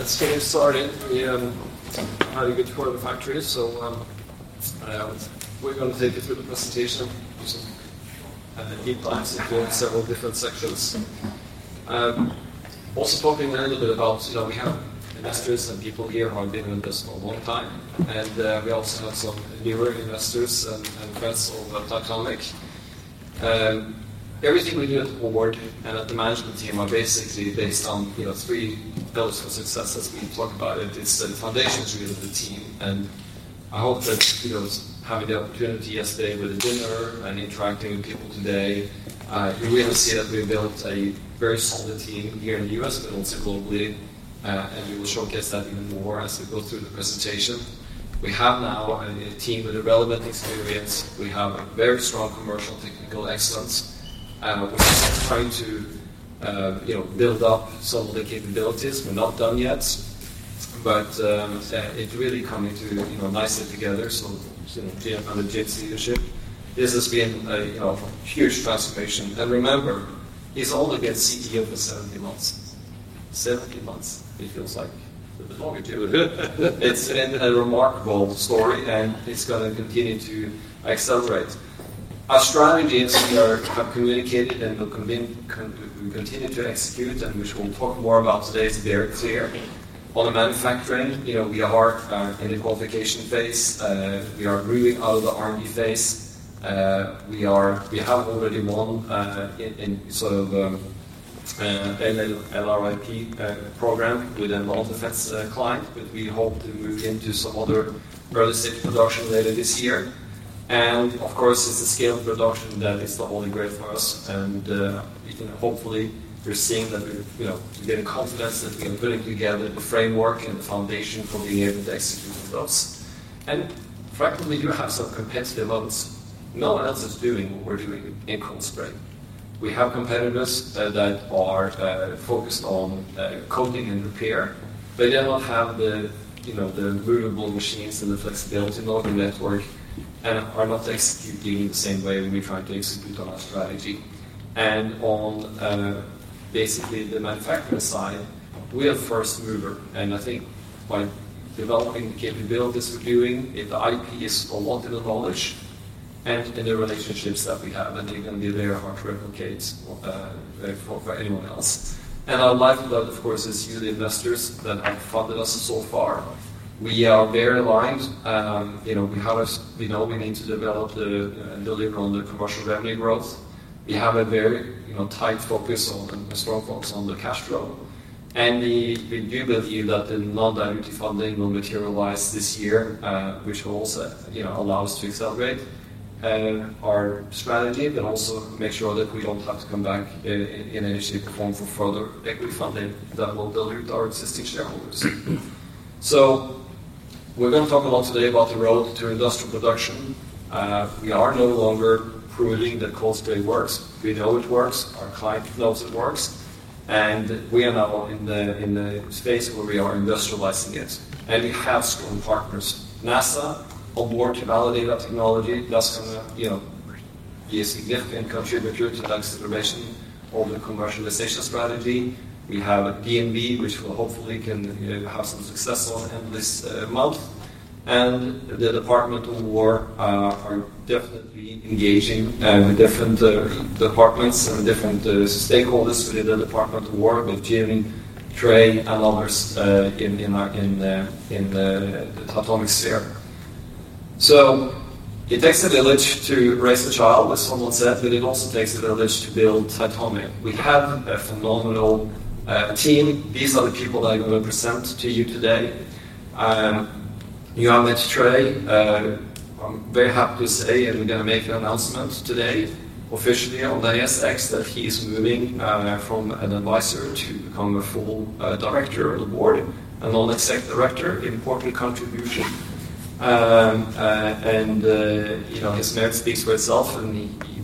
Let's get started. We had a good tour of the factory. We're gonna take you through the presentation, do some deep dives into several different sections. Also talking a little bit about, you know, we have investors and people here who have been with us for a long time, and we also have some newer investors and friends of Titomic. Everything we do at the board and at the management team are basically based on, you know, three pillars of successes we talk about. It is the foundation, really, of the team, and I hope that, you know, having the opportunity yesterday with the dinner and interacting with people today, you will see that we've built a very solid team here in the U.S., but also globally. We will showcase that even more as we go through the presentation. We have now a team with relevant experience. We have very strong commercial technical excellence, which is trying to, you know, build up some of the capabilities. We're not done yet, but it really coming to, you know, nicely together. You know, Jim and Jim's leadership, this has been a, you know, huge transformation. Remember, he's only been CEO for 70 months. 70 months, it feels like longer too. It's been a remarkable story, and it's gonna continue to accelerate. Our strategies we are have communicated and will continue to execute, and which we'll talk more about today, is very clear. On the manufacturing, you know, we are in the qualification phase. We are moving out of the R&D phase. We have already won in sort of LRIP program with a defense client that we hope to move into some other early stage production later this year. Of course, it's the scale of production that is the holy grail for us. You know, hopefully we're seeing that we're getting confidence that we are putting together the framework and the foundation for being able to execute on those. Frankly, we do have some competitive advantages. No one else is doing what we're doing in cold spray. We have competitors that are focused on coating and repair, but they don't have the you know the movable machines and the flexibility nor the network, and are not executing in the same way that we're trying to execute on our strategy. On basically the manufacturer side, we are the first mover, and I think by developing the capabilities we're doing in the IPs or multiple knowledge and in the relationships that we have, and they're gonna be very hard to replicate, for anyone else. Our lifeblood, of course, is you, the investors that have funded us so far. We are very aligned. You know, we know we need to develop the delivery on the commercial revenue growth. We have a very, you know, tight focus on and a strong focus on the cash flow. We do believe that the non-dilutive funding will materialize this year, which will also, you know, allow us to accelerate our strategy, but also make sure that we don't have to come back in any shape or form for further equity funding that will dilute our existing shareholders. We're gonna talk a lot today about the road to industrial production. We are no longer proving that cold spray works. We know it works. Our client knows it works, and we are now in the space where we are industrializing it. We have strong partners. NASA on board to validate that technology. That's gonna, you know, be a significant contributor to the acceleration of the commercialization strategy. We have DNV, which will hopefully can, you know, have some success at end of this month. The Department of Defense are definitely engaging with different departments and different stakeholders within the Department of Defense with Jim, Trey, and others in the Titomic sphere. It takes a village to raise a child, as someone said, but it also takes a village to build Titomic. We have a phenomenal team. These are the people that I'm gonna present to you today. You have met Trey. I'm very happy to say, and we're gonna make an announcement today officially on the ASX, that he is moving from an advisor to become a full director on the board. A non-exec director, important contribution. You know, his merit speaks for itself.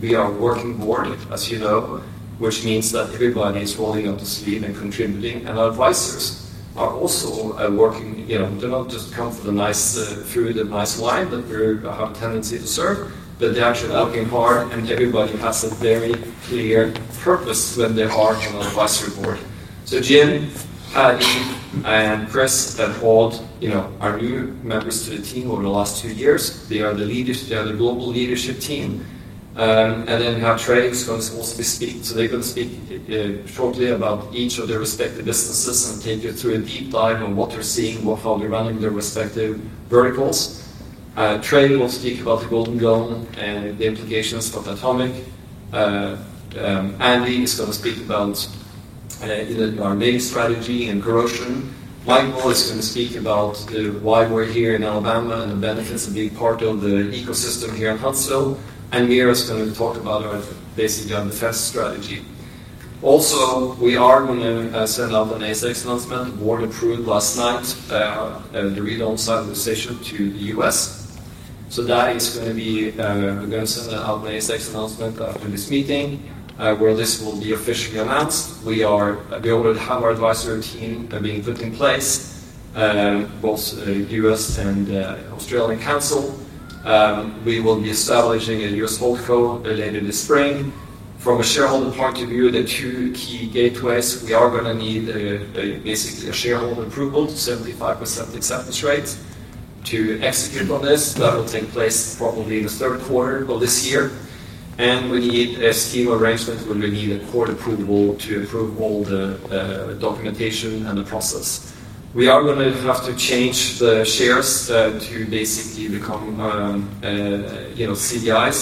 We are a working board, as you know, which means that everybody is rolling up their sleeves and contributing. Our advisors are also working. You know, they're not just coming for the nice lunch that we have a tendency to serve, but they're actually working hard, and everybody has a very clear purpose when they are on an advisory board. Jim, Andy, Chris, and Walt, you know, are new members to the team over the last two years. They are the leaders. They are the global leadership team. We have Trey who's gonna also be speaking. They're gonna speak shortly about each of their respective businesses and take you through a deep dive on what they're seeing, how they're running their respective verticals. Trey will speak about the golden gun and the implications for Titomic. Andy is gonna speak about, you know, our main strategy and corrosion. Mike is gonna speak about why we're here in Alabama and the benefits of being part of the ecosystem here in Huntsville. Mira's gonna talk about our basic test strategy. We are gonna send out an ASX announcement. The board approved last night the re-domicile decision to the U.S. That is gonna be. We're gonna send out an ASX announcement after this meeting where this will be officially announced. We already have our advisory team being put in place. Both U.S. and Australian counsel. We will be establishing a U.S. holdco later this spring. From a shareholder point of view, the two key gateways we are gonna need basically a shareholder approval to 75% acceptance rate to execute on this. That will take place probably in the third quarter of this year. We need a scheme of arrangement where we need a court approval to approve all the documentation and the process. We are gonna have to change the shares to basically become you know CDIs.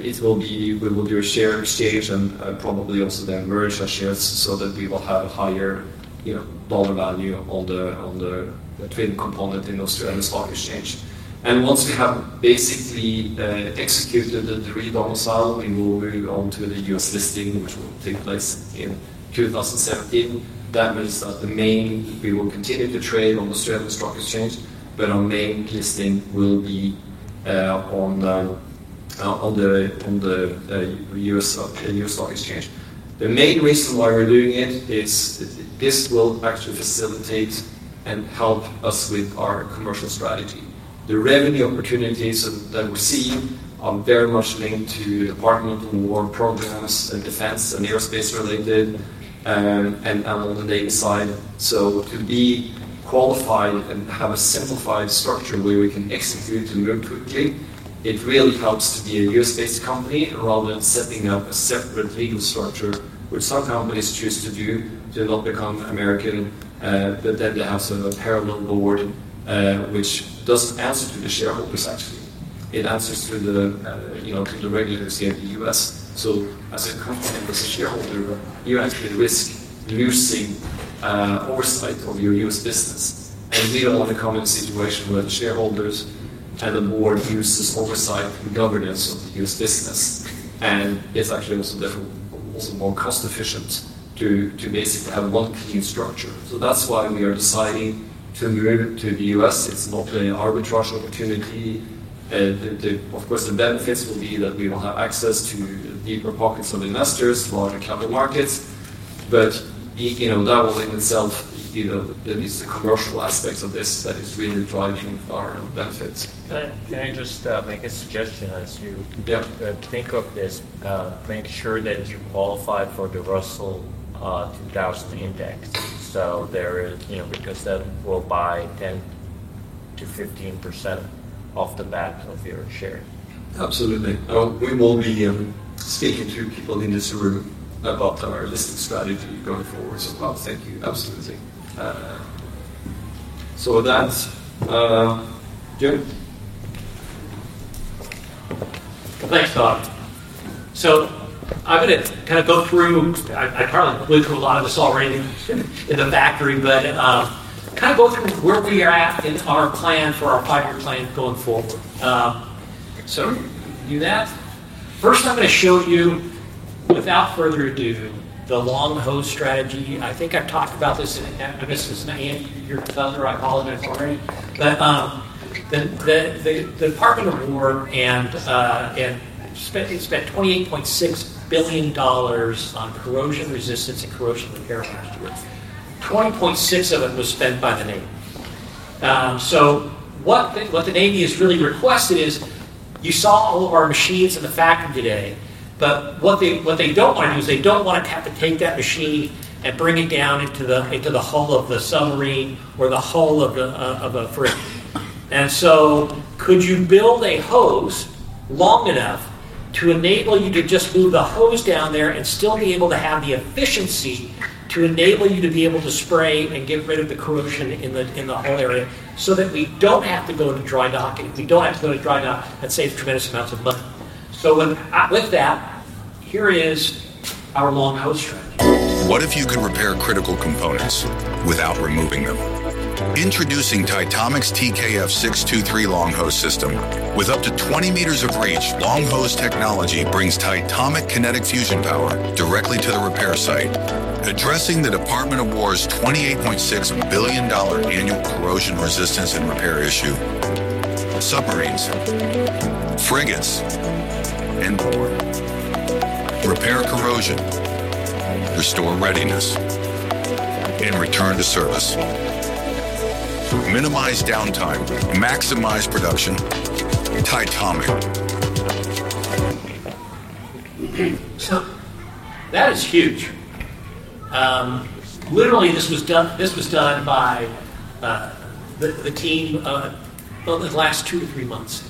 We will do a share exchange and probably also then merge our shares so that we will have a higher you know dollar value on the trading component in Australia's stock exchange. Once we have basically executed the re-domicile, we will move on to the U.S. listing, which will take place in 2017. That means that we will continue to trade on Australian Securities Exchange, but our main listing will be on the U.S. Stock Exchange. The main reason why we're doing it is this will actually facilitate and help us with our commercial strategy. The revenue opportunities that we see are very much linked to Department of Defense programs and defense and aerospace related, and on the data side. To be qualified and have a simplified structure where we can execute and move quickly, it really helps to be a U.S.-based company rather than setting up a separate legal structure, which some companies choose to do to not become American. But then they have sort of a parallel board, which doesn't answer to the shareholders, actually. It answers to the, you know, to the regulators here in the U.S. As a company, as a shareholder, you actually risk losing oversight of your U.S. business. We don't want to come in a situation where the shareholders and the board loses oversight and governance of the U.S. business. It's actually also more cost efficient to basically have one clean structure. That's why we are deciding to move to the U.S. It's not an arbitrage opportunity. Of course, the benefits will be that we will have access to deeper pockets of investors, larger capital markets. The, you know, that in itself, you know, that is the commercial aspects of this that is really driving our benefits. Can I just make a suggestion as you- Yeah. Think of this? Make sure that you qualify for the Russell 2000 index. There is, you know, because that will buy 10%-15% off the back of your share. Absolutely. We will be speaking to people in this room about our listing strategy going forward. Bob, thank you. Absolutely. That's Jim. Thanks, Dag. I'm gonna kind of go through. I probably went through a lot of this already in the factory, but kind of go through where we are at in our plan for our five-year plan going forward. Do that. First, I'm gonna show you, without further ado, the long hose strategy. I think I've talked about this. This is. Andy, you're done, or I apologize already. The Department of Defense and it spent $28.6 billion on corrosion resistance and corrosion repair last year. $20.6 billion of it was spent by the Navy. What the Navy has really requested is, you saw all of our machines in the factory today, but what they don't want to do is they don't want to have to take that machine and bring it down into the hull of the submarine or the hull of a frigate. Could you build a hose long enough to enable you to just move the hose down there and still be able to have the efficiency to enable you to be able to spray and get rid of the corrosion in the hull area so that we don't have to go to dry dock and save tremendous amounts of money? With that, here is our long hose strategy. What if you could repair critical components without removing them? Introducing Titomic's TKF 623 long hose system. With up to 20 meters of reach, long hose technology brings Titomic Kinetic Fusion power directly to the repair site, addressing the Department of Defense's $28.6 billion annual corrosion resistance and repair issue. Submarines, frigates, and more. Repair corrosion, restore readiness, and return to service. Minimize downtime. Maximize production. Titomic. That is huge. Literally, this was done by the team over the last two to three months.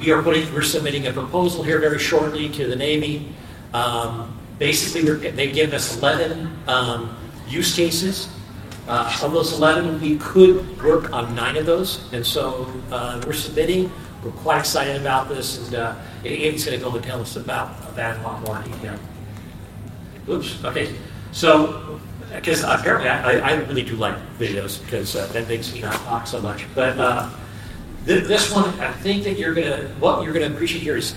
We're submitting a proposal here very shortly to the Navy. Basically, they gave us 11 use cases. Of those 11, we could work on nine of those. We're submitting. We're quite excited about this. Andy's gonna go and tell us about that in a lot more detail. Oops. Okay. Because apparently I really do like videos because that makes me not talk so much. This one, I think that what you're gonna appreciate here is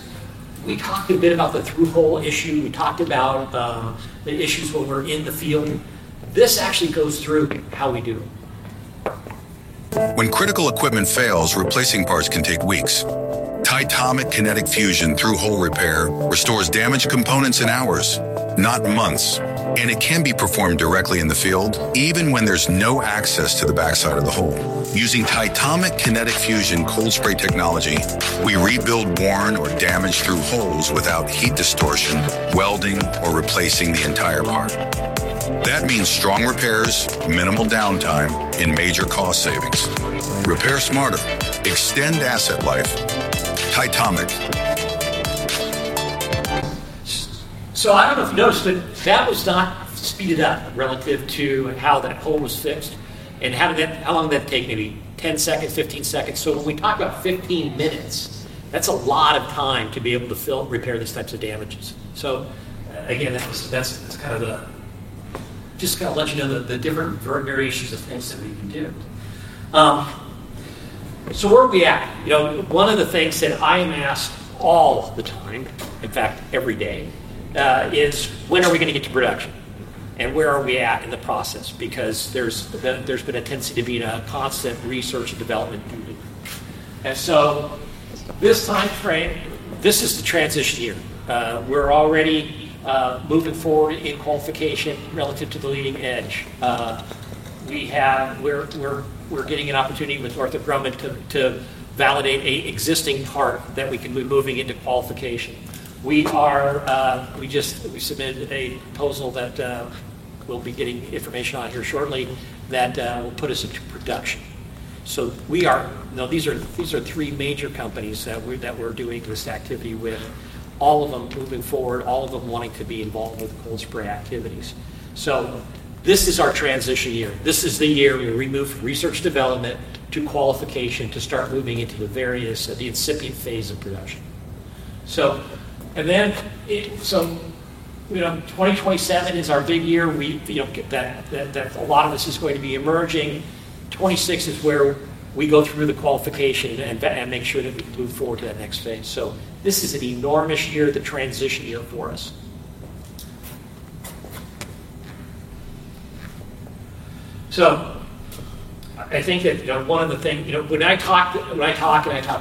we talked a bit about the through-hole issue. We talked about the issues when we're in the field. This actually goes through how we do it. When critical equipment fails, replacing parts can take weeks. Titomic Kinetic Fusion Through Hole Repair restores damaged components in hours, not months. It can be performed directly in the field, even when there's no access to the backside of the hole. Using Titomic Kinetic Fusion cold spray technology, we rebuild worn or damaged through holes without heat distortion, welding, or replacing the entire part. That means strong repairs, minimal downtime, and major cost savings. Repair smarter. Extend asset life. Titomic. I don't know if you noticed, but that was not speeded up relative to how that hole was fixed and how long did that take, maybe 10 seconds, 15 seconds. When we talk about 15 minutes, that's a lot of time to be able to repair these types of damages. Again, that's kind of just to let you know the different variations of things that we can do. Where are we at? One of the things that I am asked all the time, in fact, every day, is when are we going to get to production and where are we at in the process? Because there's been a tendency to be in a constant research and development mode. This timeframe, this is the transition year. We're already moving forward in qualification relative to the leading edge. We're getting an opportunity with Northrop Grumman to validate an existing part that we can be moving into qualification. We just submitted a proposal that we'll be getting information on here shortly that will put us into production. These are three major companies that we're doing this activity with, all of them moving forward, all of them wanting to be involved with cold spray activities. This is our transition year. This is the year we move from research development to qualification to start moving into the various, the incipient phase of production. 2027 is our big year. A lot of this is going to be emerging. 2026 is where we go through the qualification and make sure that we can move forward to that next phase. This is an enormous year, the transition year for us. I think that one of the things, when we talk to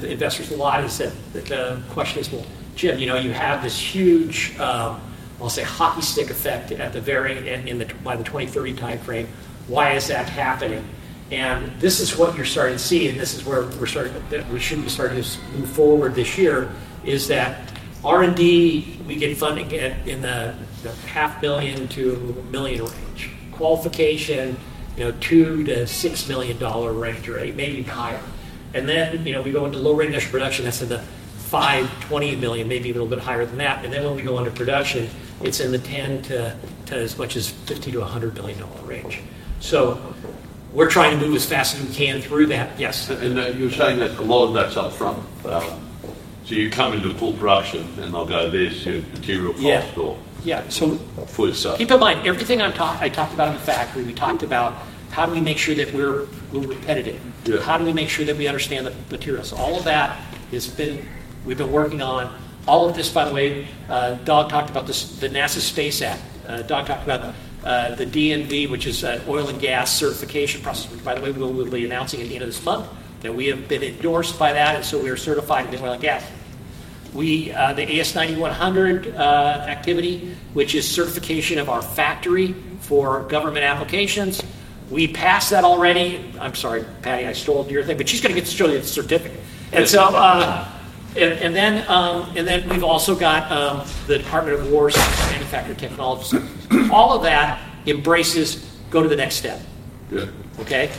the investors, a lot of the question is, well, Jim, you have this huge, I'll say hockey stick effect by the 2030 timeframe. Why is that happening? This is what you're starting to see. This is where we should be starting to move forward this year is that R&D, we get funding in the half a million to million range. Qualification, $2 million-$6 million range or maybe higher. Then we go into low-rate initial production. That's in the $5 million-$20 million, maybe a little bit higher than that. Then when we go into production, it's in the $10 to as much as $50 to $100 million range. We're trying to move as fast as we can through that. Yes. You're saying that a lot of that's up front. You come into full production and they'll go this, your material cost or. Yeah. Full size. Keep in mind, everything I talked about in the factory, we talked about how do we make sure that we're competitive? Yeah. How do we make sure that we understand the materials? All of that we've been working on. All of this, by the way, Dag Stromme talked about the NASA Space Act. Dag Stromme talked about the DNV, which is oil and gas certification process, which by the way, we'll be announcing at the end of this month that we have been endorsed by that. We are certified in oil and gas. The AS9100 activity, which is certification of our factory for government applications, we passed that already. I'm sorry, Patti Dare, I stole your thing, but she's going to show you the certificate. We've also got the Department of Defense's manufacturer technology certificate. All of that enables us to go to the next step. Yeah. Okay?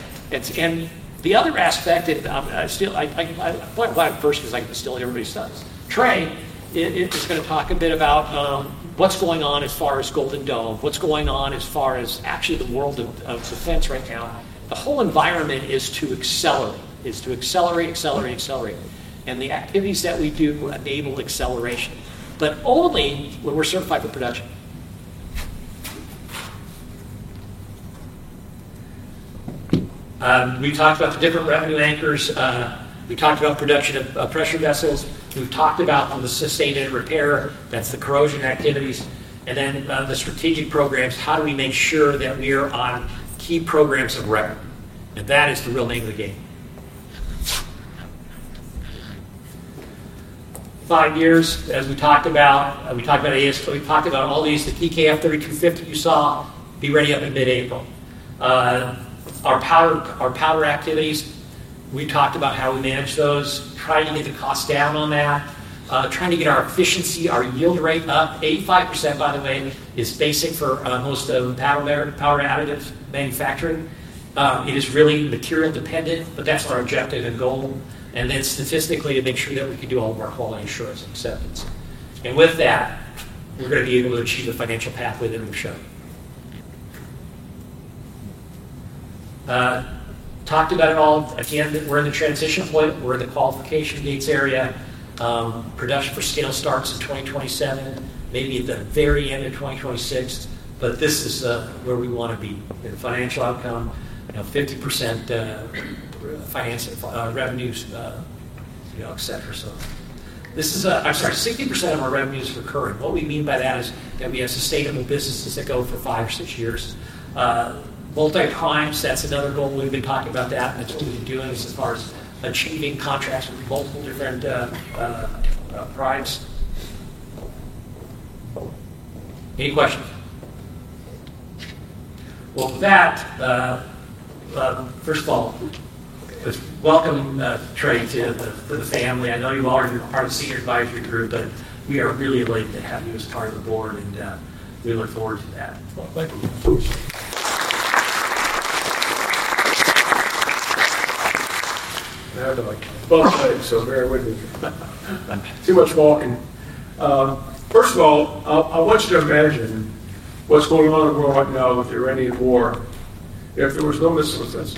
The other aspect, well, first because I can steal everybody's stuff. Trey is going to talk a bit about what's going on as far as Golden Dome, what's going on as far as actually the world of defense right now. The whole environment is to accelerate, accelerate. The activities that we do enable acceleration, but only when we're certified for production. We talked about the different revenue anchors. We talked about production of pressure vessels. We've talked about the sustainment and repair. That's the corrosion activities. Then the strategic programs, how do we make sure that we're on key programs of record? That is the real name of the game. Five years, as we talked about, we talked about AS, we talked about all these, the TKF 3250R you saw be ready up in mid-April. Our powder activities, we talked about how we manage those, trying to get the cost down on that, trying to get our efficiency, our yield rate up. 85%, by the way, is basic for most of powder additive manufacturing. It is really material dependent, but that's our objective and goal. Statistically to make sure that we can do all of our quality assurance and acceptance. With that, we're going to be able to achieve the financial pathway that we've shown. Talked about it all. At the end, we're in the transition point. We're in the qualification gates area. Production for scale starts in 2027, maybe at the very end of 2026. This is where we want to be. The financial outcome, 50% revenues. You know, et cetera. This is, I'm sorry. 60% of our revenue is recurring. What we mean by that is that we have sustainable businesses that go for five or six years. Multi-primes, that's another goal. We've been talking about that, and it's what we've been doing as far as achieving contracts with multiple different primes. Any questions? Well, with that, first of all, let's welcome Trey to the family. I know you all are part of the Senior Advisory Group, but we are really delighted to have you as part of the board, and we look forward to that. Well, thank you. I have to like bump things, so bear with me. Too much walking. First of all, I want you to imagine what's going on in the world right now with the Iranian war if there was no missile defense,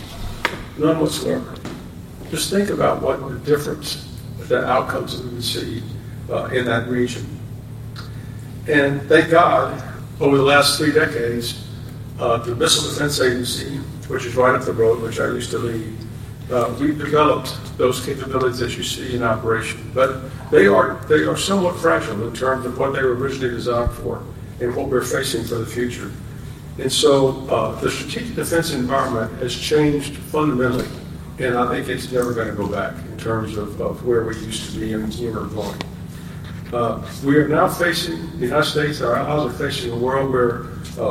none whatsoever. Just think about what the difference with the outcomes that we would see in that region. Thank God, over the last three decades, the Missile Defense Agency, which is right up the road, which I used to lead, we've developed those capabilities that you see in operation. They are somewhat fragile in terms of what they were originally designed for and what we're facing for the future. The strategic defense environment has changed fundamentally, and I think it's never gonna go back in terms of where we used to be and are going. The United States and our allies are facing a world where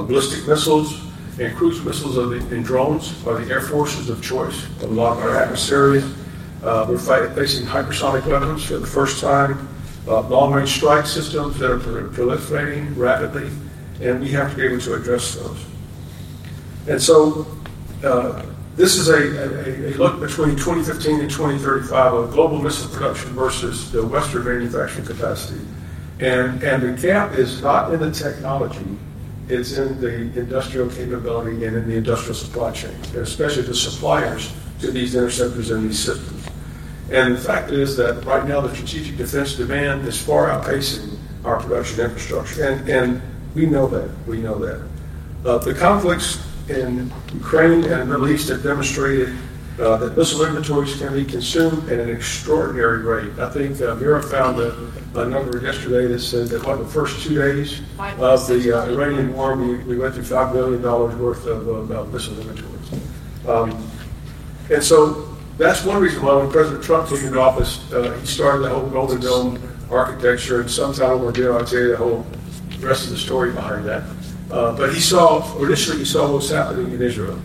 ballistic missiles and cruise missiles and drones are the air forces of choice of a lot of our adversaries. We're facing hypersonic weapons for the first time, long-range strike systems that are proliferating rapidly, and we have to be able to address those. This is a look between 2015 and 2035 of global missile production versus the Western manufacturing capacity. The gap is not in the technology, it's in the industrial capability and in the industrial supply chain, especially the suppliers to these interceptors and these systems. The fact is that right now the strategic defense demand is far outpacing our production infrastructure. We know that. The conflicts in Ukraine and the Middle East have demonstrated that missile inventories can be consumed at an extraordinary rate. I think, Mira found a number yesterday that said that what? The first two days. Five days. Of the Iranian war, we went through $5 billion worth of missile inventories. That's one reason why when President Trump came into office, he started the whole Dome architecture. Sometime we're gonna tell you the whole rest of the story behind that. Initially, he saw what was happening in Israel,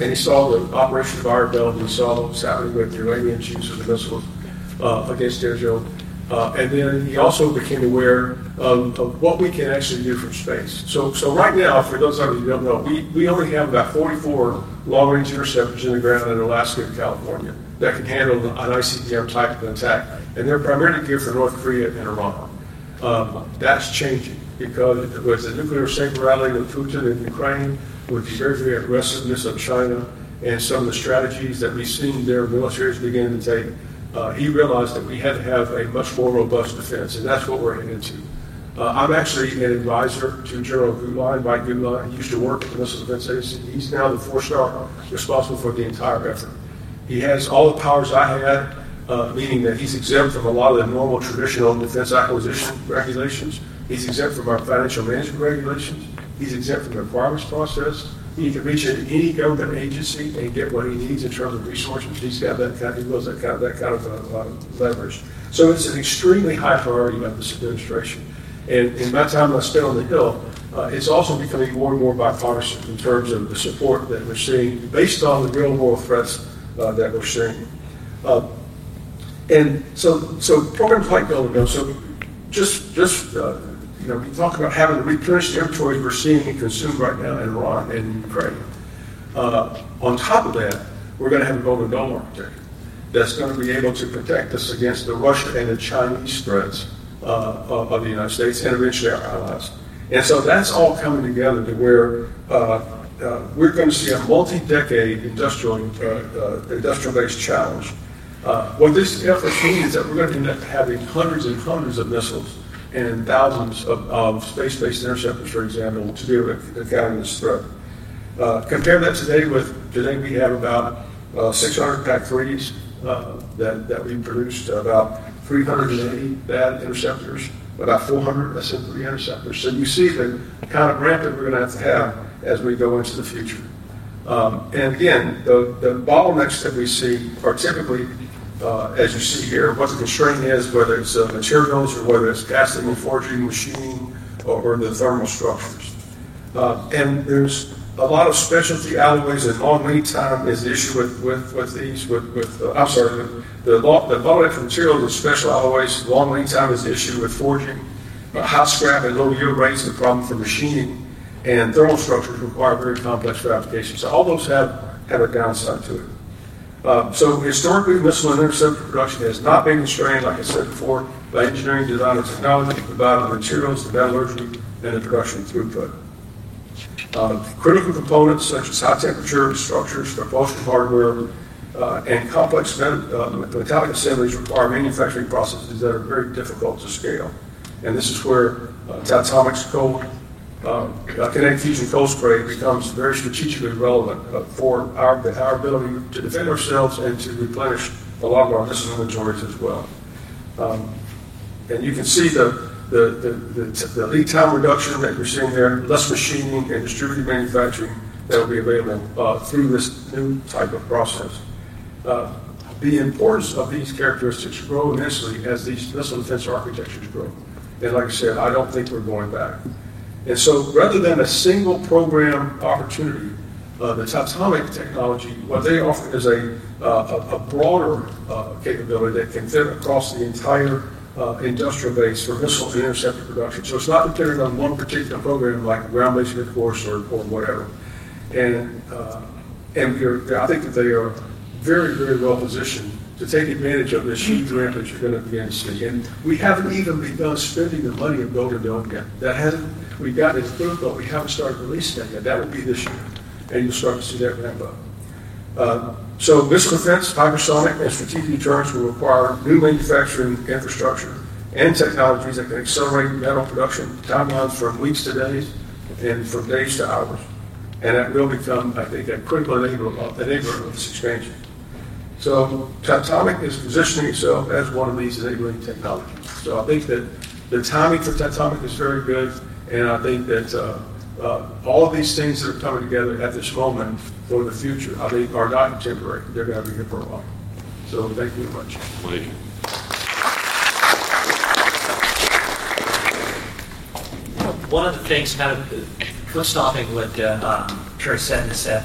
and he saw the operation of Iron Dome. He saw what was happening with the Iranian use of the missile against Israel. He also became aware of what we can actually do from space. Right now, for those of you who don't know, we only have about 44 long-range interceptors in the ground in Alaska and California that can handle an ICBM type of attack, and they're primarily geared for North Korea and Iran. That's changing because with the nuclear saber-rattling of Putin in Ukraine, with the urgency and aggressiveness of China, and some of the strategies that we've seen their militaries begin to take, he realized that we had to have a much more robust defense, and that's what we're heading into. I'm actually an advisor to General Guetlein, Mike Guetlein. He used to work at the Missile Defense Agency. He's now the four-star responsible for the entire effort. He has all the powers I had, meaning that he's exempt from a lot of the normal traditional defense acquisition regulations. He's exempt from our financial management regulations. He's exempt from the requirements process. He can reach out to any government agency and get what he needs in terms of resources. He's got that kind. He wields that kind of a lot of leverage. It's an extremely high priority by this administration. By the time I stay on the Hill, it's also becoming more and more bipartisan in terms of the support that we're seeing based on the real-world threats that we're seeing. Programs like Iron Dome. You know, we talk about having to replenish the inventory we're seeing get consumed right now in Iran and Ukraine. On top of that, we're gonna have a Golden Dome architecture that's gonna be able to protect us against the Russian and the Chinese threats of the United States and eventually our allies. That's all coming together to where we're gonna see a multi-decade industrial-based challenge. What this effort means is that we're gonna end up having hundreds and hundreds of missiles and thousands of space-based interceptors, for example, to deal with the communist threat. Compare that to today we have about 600 PAC-3s that we produced, about 380 GBI interceptors, about 400 SM-3 interceptors. You see the kind of ramp that we're gonna have to have as we go into the future. Again, the bottlenecks that we see are typically as you see here, what the constraint is, whether it's material mills or whether it's casting or forging, machining or the thermal structures. There's a lot of specialty alloys and long lead time is the issue with these. The bottleneck materials are special alloys. Long lead time is the issue with forging. High scrap and low yield rates are the problem for machining. Thermal structures require very complex certifications. All those have a downside to it. Historically, missile and interceptor production has not been constrained, like I said before, by engineering design or technology, but by the materials, the metallurgy, and the production throughput. Critical components such as high temperature structures for propulsion hardware and complex metallic assemblies require manufacturing processes that are very difficult to scale. This is where Titomic's Kinetic Fusion cold spray becomes very strategically relevant for our ability to defend ourselves and to replenish a lot of our missile inventories as well. You can see the lead time reduction that you're seeing there, less machining and distributed manufacturing that will be available through this new type of process. The importance of these characteristics grow initially as these missile defense architectures grow. Like I said, I don't think we're going back. Rather than a single program opportunity, the Titomic technology, what they offer is a broader capability that can fit across the entire industrial base for missile defense interceptor production. It's not dependent on one particular program like Ground-Based Interceptor or whatever. I think that they are very, very well positioned to take advantage of this huge ramp that you're gonna be seeing. We haven't even begun spending the money in build or buy yet. We've got it approved, but we haven't started releasing it yet. That would be this year, and you'll start to see that ramp up. Missile defense, hypersonic, and strategic deterrence will require new manufacturing infrastructure and technologies that can accelerate metal production timelines from weeks to days and from days to hours. That will become, I think, a critical enabler of this expansion. Titomic is positioning itself as one of these enabling technologies. I think that the timing for Titomic is very good, and I think that all of these things that are coming together at this moment for the future, they are not temporary. They're gonna be here for a while. Thank you very much. Thank you. One of the things kind of cross-topping what Trey said is that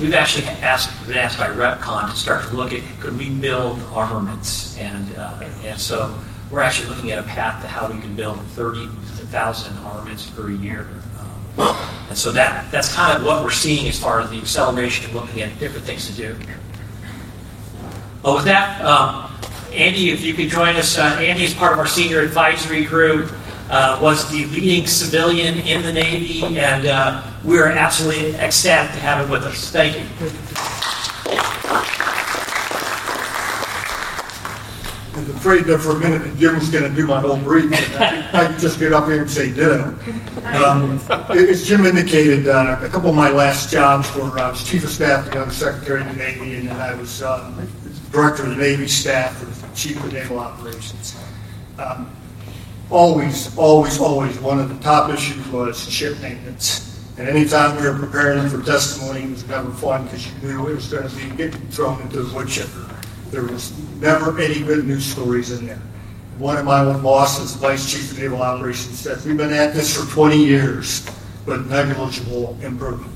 we've actually been asked by Repkon to start to look at could we build armaments. We're actually looking at a path to how we can build 30,000 armaments per year. That's kind of what we're seeing as far as the acceleration and looking at different things to do. With that, Andy, if you could join us. Andy is part of our senior advisory group, was the leading civilian in the Navy and we are absolutely ecstatic to have him with us. Thank you. I was afraid there for a minute that Jim was gonna do my whole brief. I'd just get up here and say ditto. As Jim indicated, a couple of my last jobs were, I was Chief of Staff to Secretary of the Navy, and then I was, Director of the Navy Staff for the Chief of Naval Operations. Always one of the top issues was ship maintenance. Anytime we were preparing for testimony, it was never fun because you knew it was gonna be getting thrown into the wood chipper. There was never any good news stories in there. One of my old bosses, Vice Chief of Naval Operations, says, "We've been at this for 20 years with negligible improvement."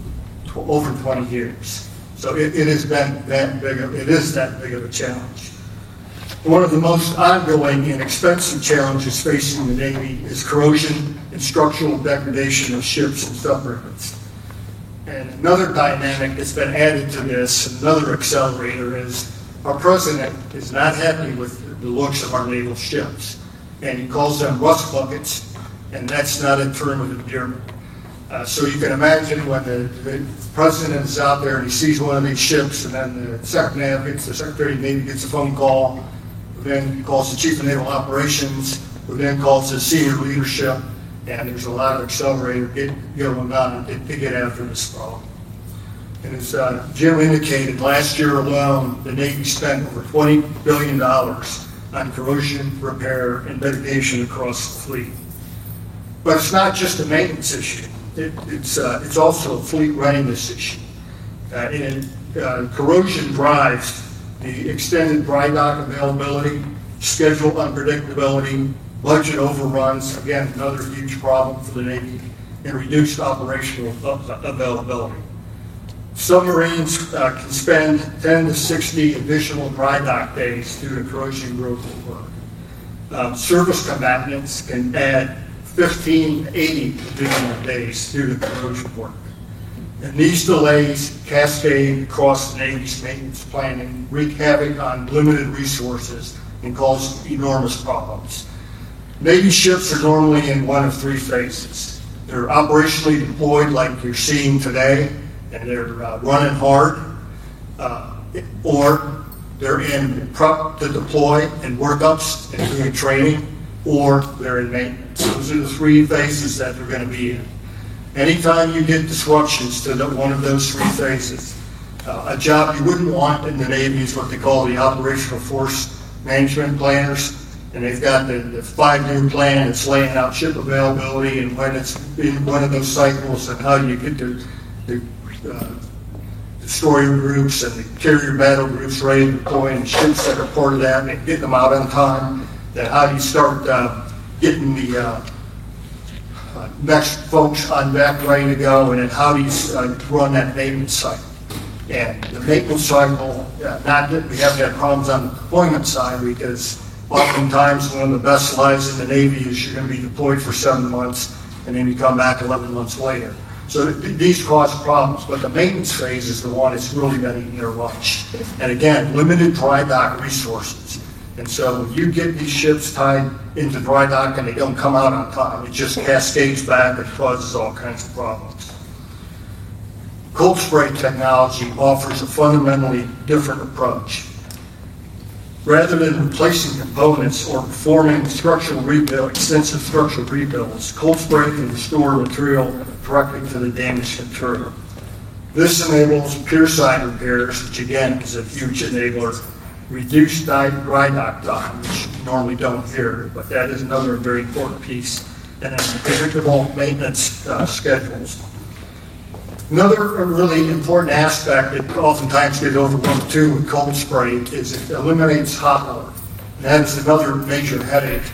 Over 20 years. It has been that big of a challenge. It is that big of a challenge. One of the most ongoing and expensive challenges facing the Navy is corrosion and structural degradation of ships and submarines. Another dynamic that's been added to this, another accelerator, is our President is not happy with the looks of our naval ships, and he calls them rust buckets, and that's not a term of endearment. You can imagine when the president is out there and he sees one of these ships, and then the SECNAV, it's the Secretary of the Navy, gets a phone call, who then he calls the Chief of Naval Operations, who then calls his senior leadership, and there's a lot of accelerating. Get them about it. Get after this problem. As Jim indicated, last year alone, the Navy spent over $20 billion on corrosion repair and mitigation across the fleet. It's not just a maintenance issue. It's also a fleet readiness issue. Corrosion drives the extended dry dock availability, schedule unpredictability, budget overruns, again, another huge problem for the Navy, and reduced operational availability. Submarines can spend 10-60 additional dry dock days due to corrosion growth work. Surface combatants can add 15-80 additional days due to corrosion work. These delays cascade across the Navy's maintenance planning, wreak havoc on limited resources, and cause enormous problems. Navy ships are normally in one of three phases. They're operationally deployed like you're seeing today, and they're running hard, or they're in prep to deploy and workups and doing training, or they're in maintenance. Those are the three phases that they're gonna be in. Anytime you get disruptions to one of those three phases, a job you wouldn't want in the Navy is what they call the operational force management planners. They've got the five-year plan that's laying out ship availability and when it's in one of those cycles and how you get the destroyer groups and the carrier battle groups ready to deploy and ships that are part of that and getting them out on time. Then how do you start getting the next folks on deck ready to go, and then how do you run that maintenance cycle? The maintenance cycle, not that we haven't had problems on the deployment side because oftentimes one of the best lies in the Navy is you're gonna be deployed for seven months, and then you come back eleven months later. These cause problems, but the maintenance phase is the one that's really gonna eat our lunch. Again, limited dry dock resources. When you get these ships tied into dry dock, and they don't come out on time, it just cascades back. It causes all kinds of problems. Cold spray technology offers a fundamentally different approach. Rather than replacing components or performing structural rebuilds, cold spray can restore material directly to the damaged material. This enables pier-side repairs, which again is a huge enabler, reduced drydock times, which you normally don't hear, but that is another very important piece, and then predictable maintenance schedules. Another really important aspect that oftentimes gets overlooked too with cold spray is it eliminates hot work. That is another major headache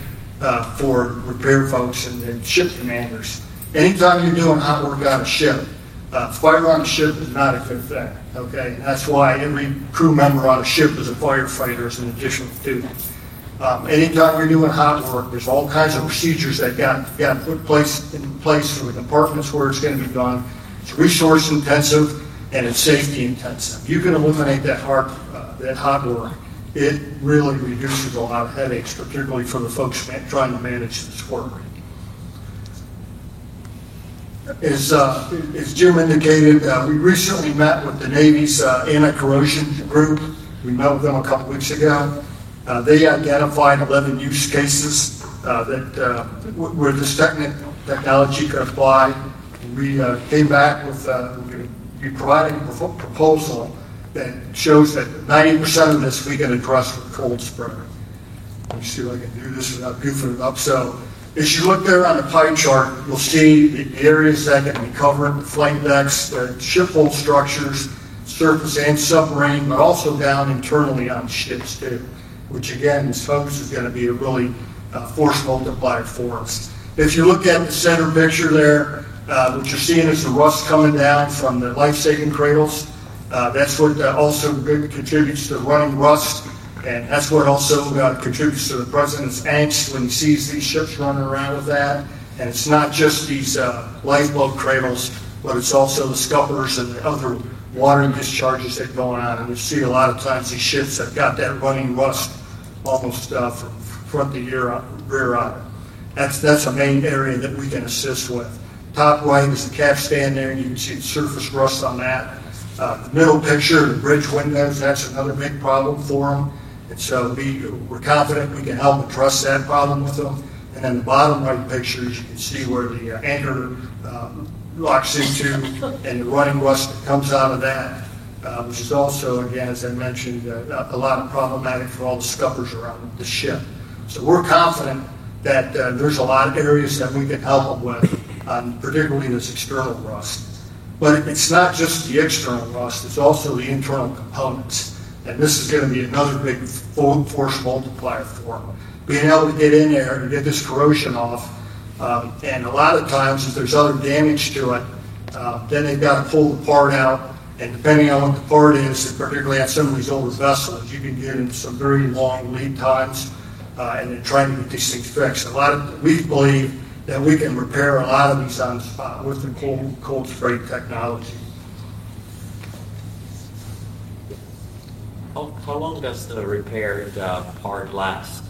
for repair folks and ship commanders. Anytime you're doing hot work on a ship, fire on a ship is not a good thing, okay? That's why every crew member on a ship is a firefighter as an additional duty. Anytime you're doing hot work, there's all kinds of procedures that got to put in place for the compartments where it's gonna be done. It's resource intensive and it's safety intensive. If you can eliminate that hot work, it really reduces a lot of headaches, particularly for the folks trying to manage the squadron. As Jim indicated, we recently met with the Navy's anti-corrosion group. We met with them a couple weeks ago. They identified 11 use cases where this technology could apply. We came back with, we provided a proposal that shows that 90% of this we can address with cold spray. Let me see if I can do this without goofing it up. As you look there on the pie chart, you'll see the areas that can be covered, the flight decks, the ship hull structures, surface and submarine, but also down internally on ships too, which again, this focus is gonna be a really, force multiplier for us. If you look at the center picture there, what you're seeing is the rust coming down from the life-saving cradles. That's what also contributes to running rust, and that's what also contributes to the president's angst when he sees these ships running around with that. It's not just these lifeboat cradles, but it's also the scuppers and the other water discharges they've gone out. We see a lot of times these ships have got that running rust almost from front to rear on. That's a main area that we can assist with. Top right is the capstan there, and you can see the surface rust on that. The middle picture, the bridge windows, that's another big problem for them. We're confident we can help address that problem with them. The bottom right picture, as you can see where the anchor lock C2 and the running rust that comes out of that, which is also again, as I mentioned, a lot problematic for all the scuppers around the ship. We're confident that there's a lot of areas that we can help them with, particularly this external rust. It's not just the external rust, it's also the internal components, and this is gonna be another big force multiplier for them. Being able to get in there and get this corrosion off, and a lot of times if there's other damage to it, then they've got to pull the part out, and depending on what the part is, and particularly on some of these older vessels, you can get into some very long lead times, and then trying to get these things fixed. We believe that we can repair a lot of these on the spot with the cold spray technology. How long does the repaired part last?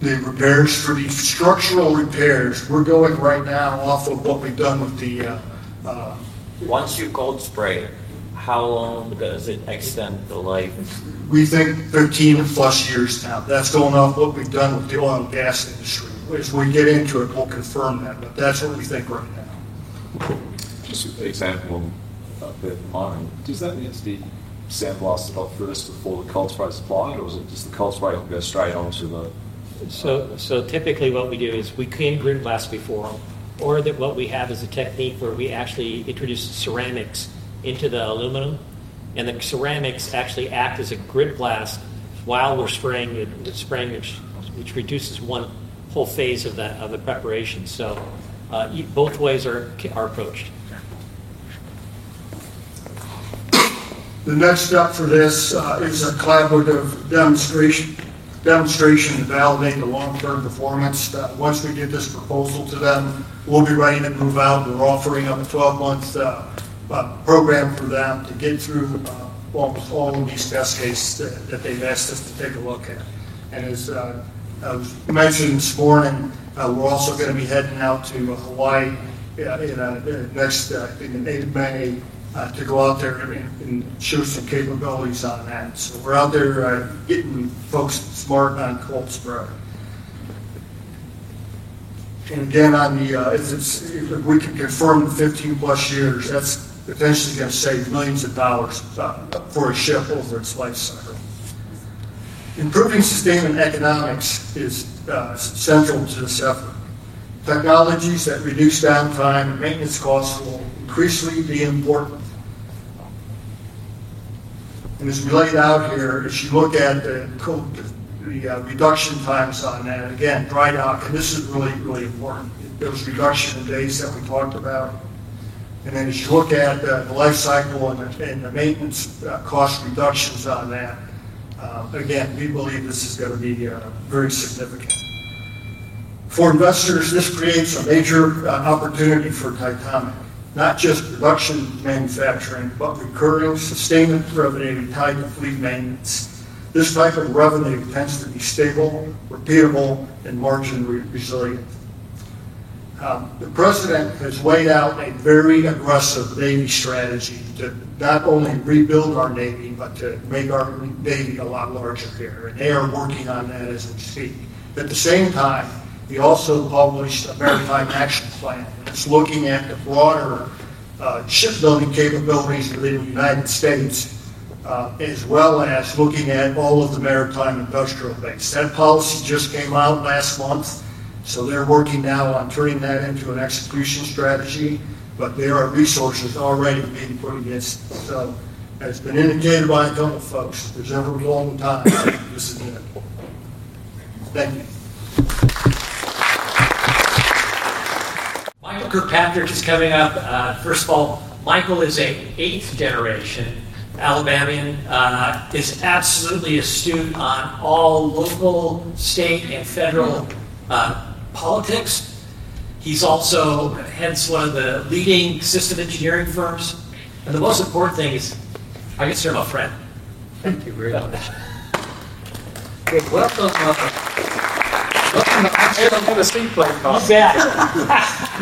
The repairs? For the structural repairs, we're going right now off of what we've done with the. Once you cold spray, how long does it extend the life? We think 13+ years now. That's going off what we've done with the oil and gas industry. As we get into it, we'll confirm that, but that's what we think right now. Just the example, there from Irene, does that mean it's the sandblasted off first before the cold spray is applied, or does the cold spray go straight onto the? Typically what we do is we clean grit blast before, or what we have is a technique where we actually introduce ceramics into the aluminum, and the ceramics actually act as a grit blast while we're spraying it, which reduces one full phase of the preparation. Both ways are approached. The next step for this is a collaborative demonstration to validate the long-term performance. Once we get this proposal to them, we'll be ready to move out. We're offering up a 12-month program for them to get through, well, all of these test cases that they've asked us to take a look at. As I've mentioned this morning, we're also gonna be heading out to Hawaii in May to go out there and show some capabilities on that. We're out there getting folks smart on cold spray. Again, if we can confirm 15+ years, that's potentially gonna save $ millions for a ship over its life cycle. Improving sustainment economics is central to this effort. Technologies that reduce downtime and maintenance costs will increasingly be important. As we laid out here, if you look at the reduction times on that, again, dry dock, and this is really important, those reduction in days that we talked about. As you look at the life cycle and the maintenance cost reductions on that, again, we believe this is gonna be very significant. For investors, this creates a major opportunity for Titomic. Not just production manufacturing, but recurring sustainment revenue tied to fleet maintenance. This type of revenue tends to be stable, repeatable, and margin resilient. The president has laid out a very aggressive Navy strategy to not only rebuild our Navy, but to make our Navy a lot larger here, and they are working on that as we speak. At the same time, we also published a maritime action plan that's looking at the broader, shipbuilding capabilities within the United States, as well as looking at all of the maritime industrial base. That policy just came out last month, so they're working now on turning that into an execution strategy, but there are resources already being put against it. As been indicated by a couple of folks, if there's ever a wrong time, this is it. Thank you. Michael Kirkpatrick is coming up. First of all, Michael is an eighth-generation Alabamian. He is absolutely astute on all local, state, and federal politics. He also heads one of the leading systems engineering firms, and the most important thing is I consider him a friend. Thank you very much. Welcome, Michael. Welcome. I almost didn't have a seat placard. You bet.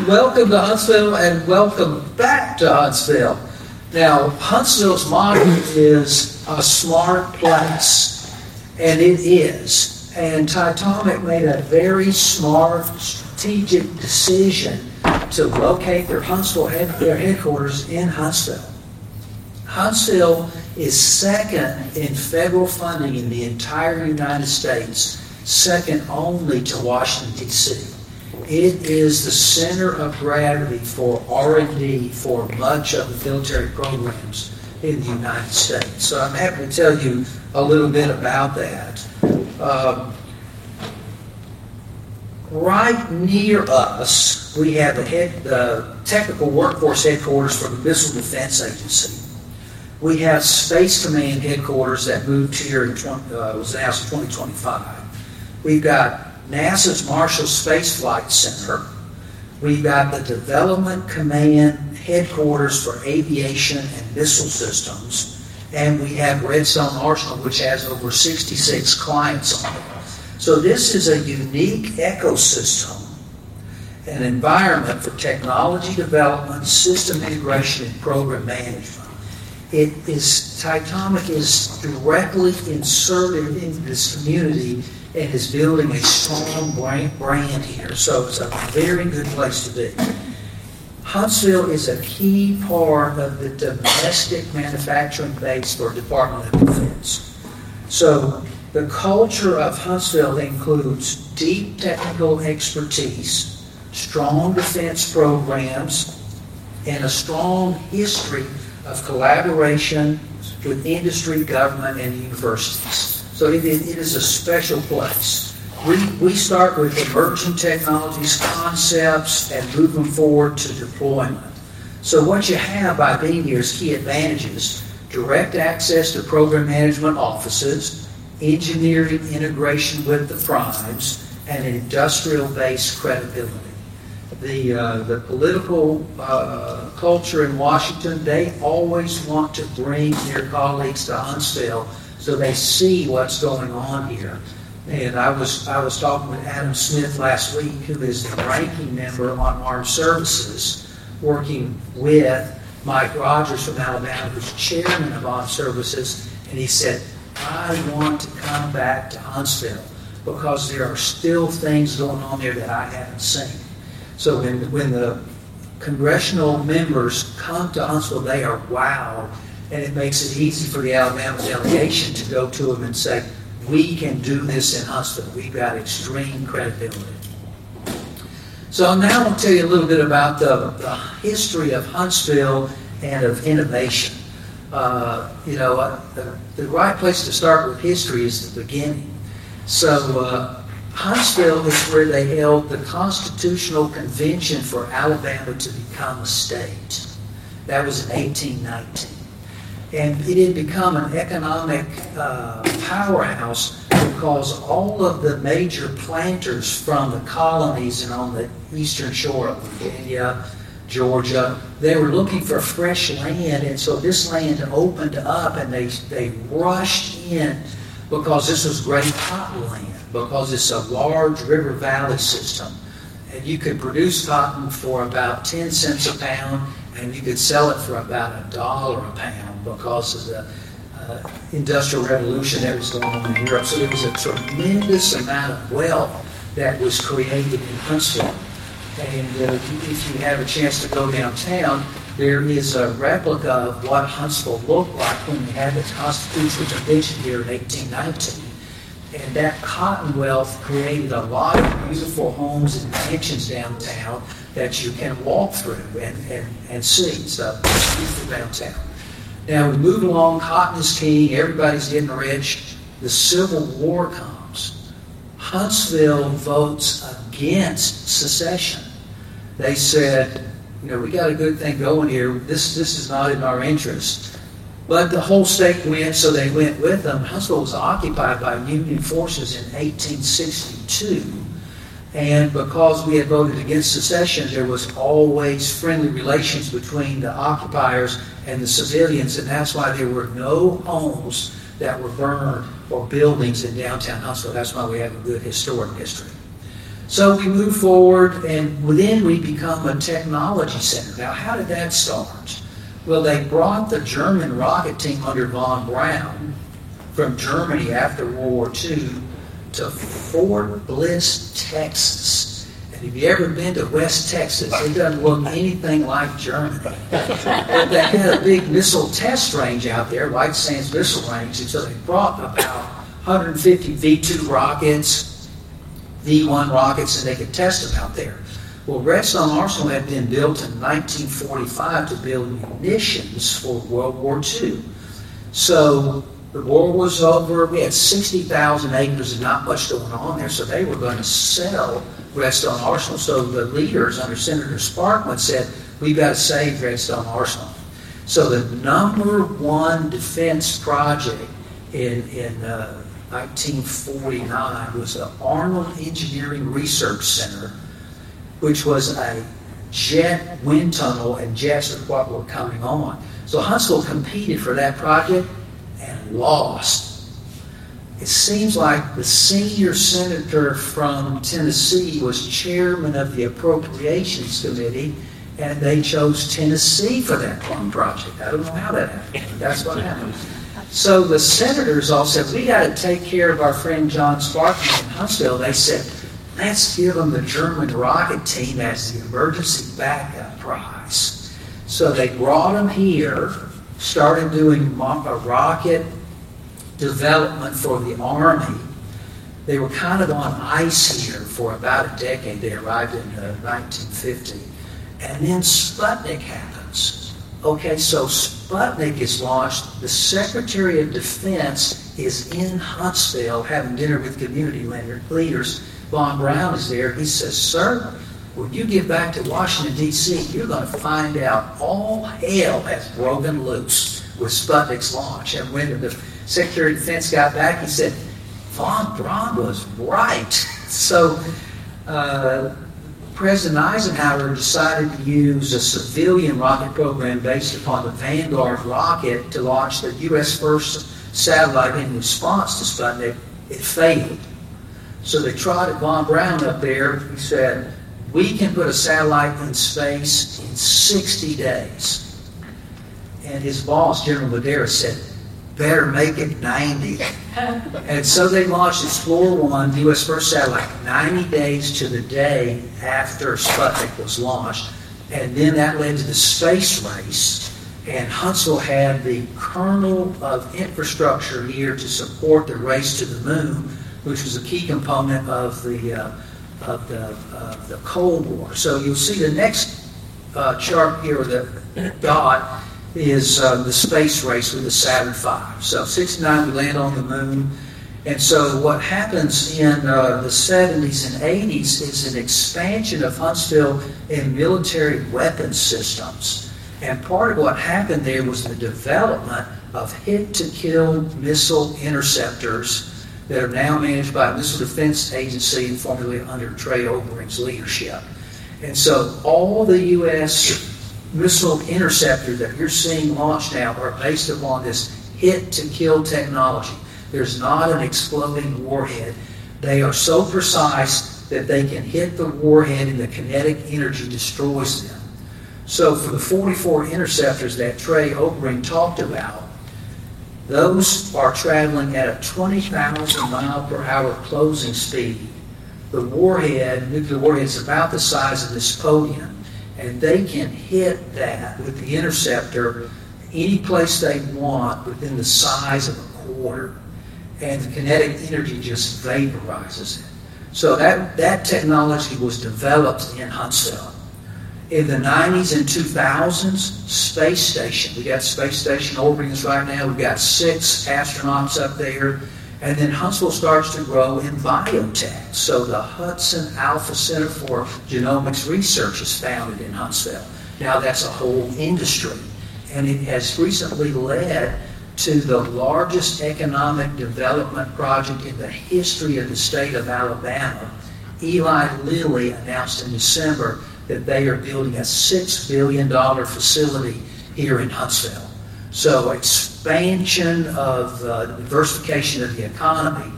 Welcome to Huntsville, and welcome back to Huntsville. Now, Huntsville's motto is a smart place, and it is. Titomic made a very smart strategic decision to locate their headquarters in Huntsville. Huntsville is second in federal funding in the entire United States, second only to Washington, D.C. It is the center of gravity for R&D for much of the military programs in the United States, so I'm happy to tell you a little bit about that. Right near us, we have the technical workforce headquarters for the Missile Defense Agency. We have Space Command headquarters that moved here in 2025. We've got NASA's Marshall Space Flight Center. We've got the Development Command headquarters for aviation and missile systems, and we have Redstone Arsenal, which has over 66 clients on it. This is a unique ecosystem and environment for technology development, system integration, and program management. Titomic is directly inserted into this community and is building a strong brand here, so it's a very good place to be. Huntsville is a key part of the domestic manufacturing base for Department of Defense. The culture of Huntsville includes deep technical expertise, strong defense programs, and a strong history of collaboration with industry, government, and universities. It is a special place. We start with emerging technologies, concepts, and move them forward to deployment. What you have by being here is key advantages, direct access to program management offices, engineering integration with the primes, and industrial-based credibility. The political culture in Washington, they always want to bring their colleagues to Huntsville, so they see what's going on here. I was talking with Adam Smith last week, who is the Ranking Member on Armed Services, working with Mike Rogers from Alabama, who's Chairman of Armed Services, and he said, "I want to come back to Huntsville because there are still things going on there that I haven't seen." When the congressional members come to Huntsville, they are wowed, and it makes it easy for the Alabama delegation to go to them and say, "We can do this in Huntsville. We've got extreme credibility." Now I'm gonna tell you a little bit about the history of Huntsville and of innovation. You know, the right place to start with history is the beginning. Huntsville is where they held the constitutional convention for Alabama to become a state. That was in 1819. It had become an economic powerhouse because all of the major planters from the colonies and on the eastern shore of Virginia, Georgia, were looking for fresh land. This land opened up, and they rushed in because this was great cotton land, because it's a large river valley system, and you could produce cotton for about $0.10 a pound, and you could sell it for about $1 a pound because of the Industrial Revolution that was going on in Europe. There was a tremendous amount of wealth that was created in Huntsville. If you have a chance to go downtown, there is a replica of what Huntsville looked like when they had the constitutional convention here in 1819. That cotton wealth created a lot of beautiful homes and mansions downtown that you can walk through and see, so beautiful downtown. Now we move along, cotton is king, everybody's getting rich. The Civil War comes. Huntsville votes against secession. They said, "You know, we got a good thing going here. This is not in our interest." The whole state went, so they went with them. Huntsville was occupied by Union forces in 1862, and because we had voted against secession, there was always friendly relations between the occupiers and the civilians, and that's why there were no homes that were burned or buildings in downtown Huntsville. That's why we have a good historic history. We move forward, and then we become a technology center. Now how did that start? Well, they brought the German rocket team under von Braun from Germany after World War II to Fort Bliss, Texas. If you've ever been to West Texas, it doesn't look anything like Germany. They had a big missile test range out there, White Sands Missile Range. They brought about 150 V2 rockets, V1 rockets, and they could test them out there. Well, Redstone Arsenal had been built in 1945 to build munitions for World War II. The war was over. We had 60,000 acres and not much going on there, so they were going to sell Redstone Arsenal. The leaders under Senator Sparkman said, "We've got to save Redstone Arsenal." The number one defense project in 1949 was the Arnold Engineering Development Complex, which was a jet wind tunnel, and jets were what were coming on. Huntsville competed for that project and lost. It seems like the senior senator from Tennessee was chairman of the Appropriations Committee, and they chose Tennessee for that project. I don't know how that happened, but that's what happened. The senators all said, "We got to take care of our friend John Sparkman in Huntsville." They said, "Let's give them the German rocket team as the emergency backup prize." They brought them here, started doing a rocket development for the Army. They were kind of on ice here for about a decade. They arrived in 1950, and then Sputnik happens. Okay, Sputnik is launched. The Secretary of Defense is in Huntsville having dinner with community leaders. Von Braun is there. He says, "Sir, when you get back to Washington, D.C., you're gonna find out all hell has broken loose with Sputnik's launch." When the Secretary of Defense got back, he said, "Von Braun was right." President Eisenhower decided to use a civilian rocket program based upon the Vanguard rocket to launch the U.S. first satellite in response to Sputnik. It failed. They tried it with von Braun up there, who said, "We can put a satellite in space in 60 days." His boss, General Medaris, said, "Better make it 90." They launched Explorer 1, U.S. first satellite, 90 days to the day after Sputnik was launched. That led to the space race. Huntsville had the kernel of infrastructure here to support the race to the moon, which was a key component of the Cold War. You'll see the next chart here with a dot is the space race with the Saturn V. 1969, we land on the moon. What happens in the 1970s and 1980s is an expansion of Huntsville in military weapons systems. Part of what happened there was the development of hit-to-kill missile interceptors that are now managed by Missile Defense Agency, formerly under Henry Obering III's leadership. All the U.S. missile interceptors that you're seeing launched now are based upon this hit-to-kill technology. There's not an exploding warhead. They are so precise that they can hit the warhead, and the kinetic energy destroys them. For the 44 interceptors that Trey Obering talked about, those are traveling at a 20,000 mile per hour closing speed. The warhead, nuclear warhead, is about the size of this podium, and they can hit that with the interceptor any place they want within the size of a quarter, and the kinetic energy just vaporizes it. That technology was developed in Huntsville. In the 1990s and 2000s, space station. We got space station orbiting us right now. We've got six astronauts up there. Huntsville starts to grow in biotech. The HudsonAlpha Institute for Biotechnology is founded in Huntsville. Now that's a whole industry, and it has recently led to the largest economic development project in the history of the state of Alabama. Eli Lilly and Company announced in December that they are building a $6 billion facility here in Huntsville. Expansion of diversification of the economy.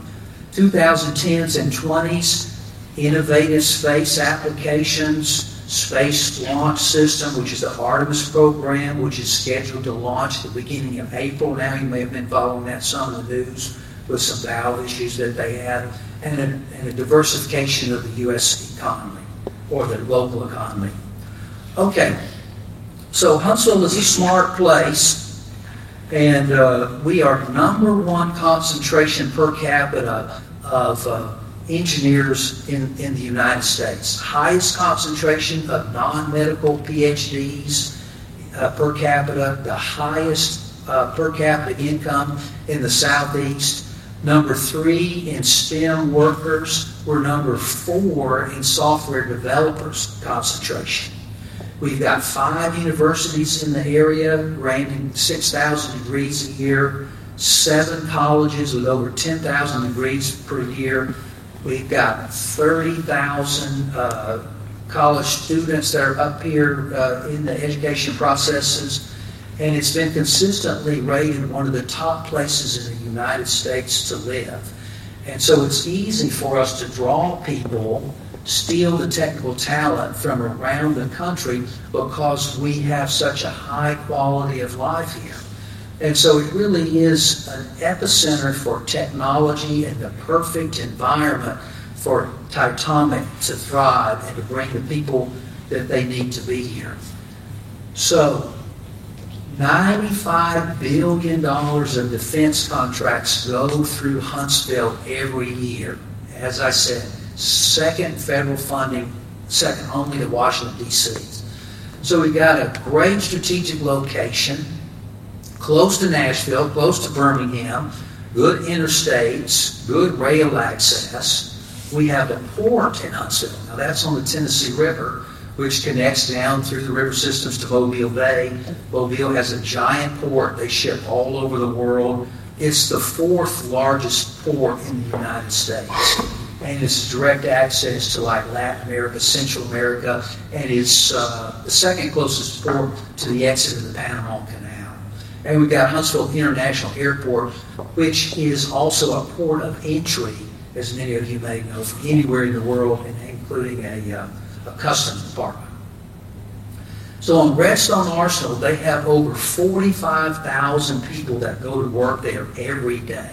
2010s and 2020s, innovative space applications, space launch system, which is the Artemis program, which is scheduled to launch at the beginning of April. Now, you may have been following that some in the news with some valve issues that they had and diversification of the U.S. economy or the local economy. Okay. Huntsville is a smart place, and we are number one concentration per capita of engineers in the United States. Highest concentration of non-medical PhDs per capita. The highest per capita income in the Southeast. Number three in STEM workers. We're number four in software developers concentration. We've got five universities in the area granting 6,000 degrees a year. Seven colleges with over 10,000 degrees per year. We've got 30,000 college students that are up here in the education processes, and it's been consistently rated one of the top places in the United States to live. It's easy for us to draw people, steal the technical talent from around the country because we have such a high quality of life here. It really is an epicenter for technology and the perfect environment for Titomic to thrive and to bring the people that they need to be here. $95 billion of defense contracts go through Huntsville every year. As I said, second federal funding, second only to Washington, D.C. We've got a great strategic location, close to Nashville, close to Birmingham, good interstates, good rail access. We have a port in Huntsville. Now, that's on the Tennessee River, which connects down through the river systems to Mobile Bay. Mobile has a giant port. They ship all over the world. It's the fourth largest port in the United States, and it's direct access to, like, Latin America, Central America, and it's the second closest port to the exit of the Panama Canal. We've got Huntsville International Airport, which is also a port of entry, as many of you may know, from anywhere in the world, including a customs department. On Redstone Arsenal, they have over 45,000 people that go to work there every day.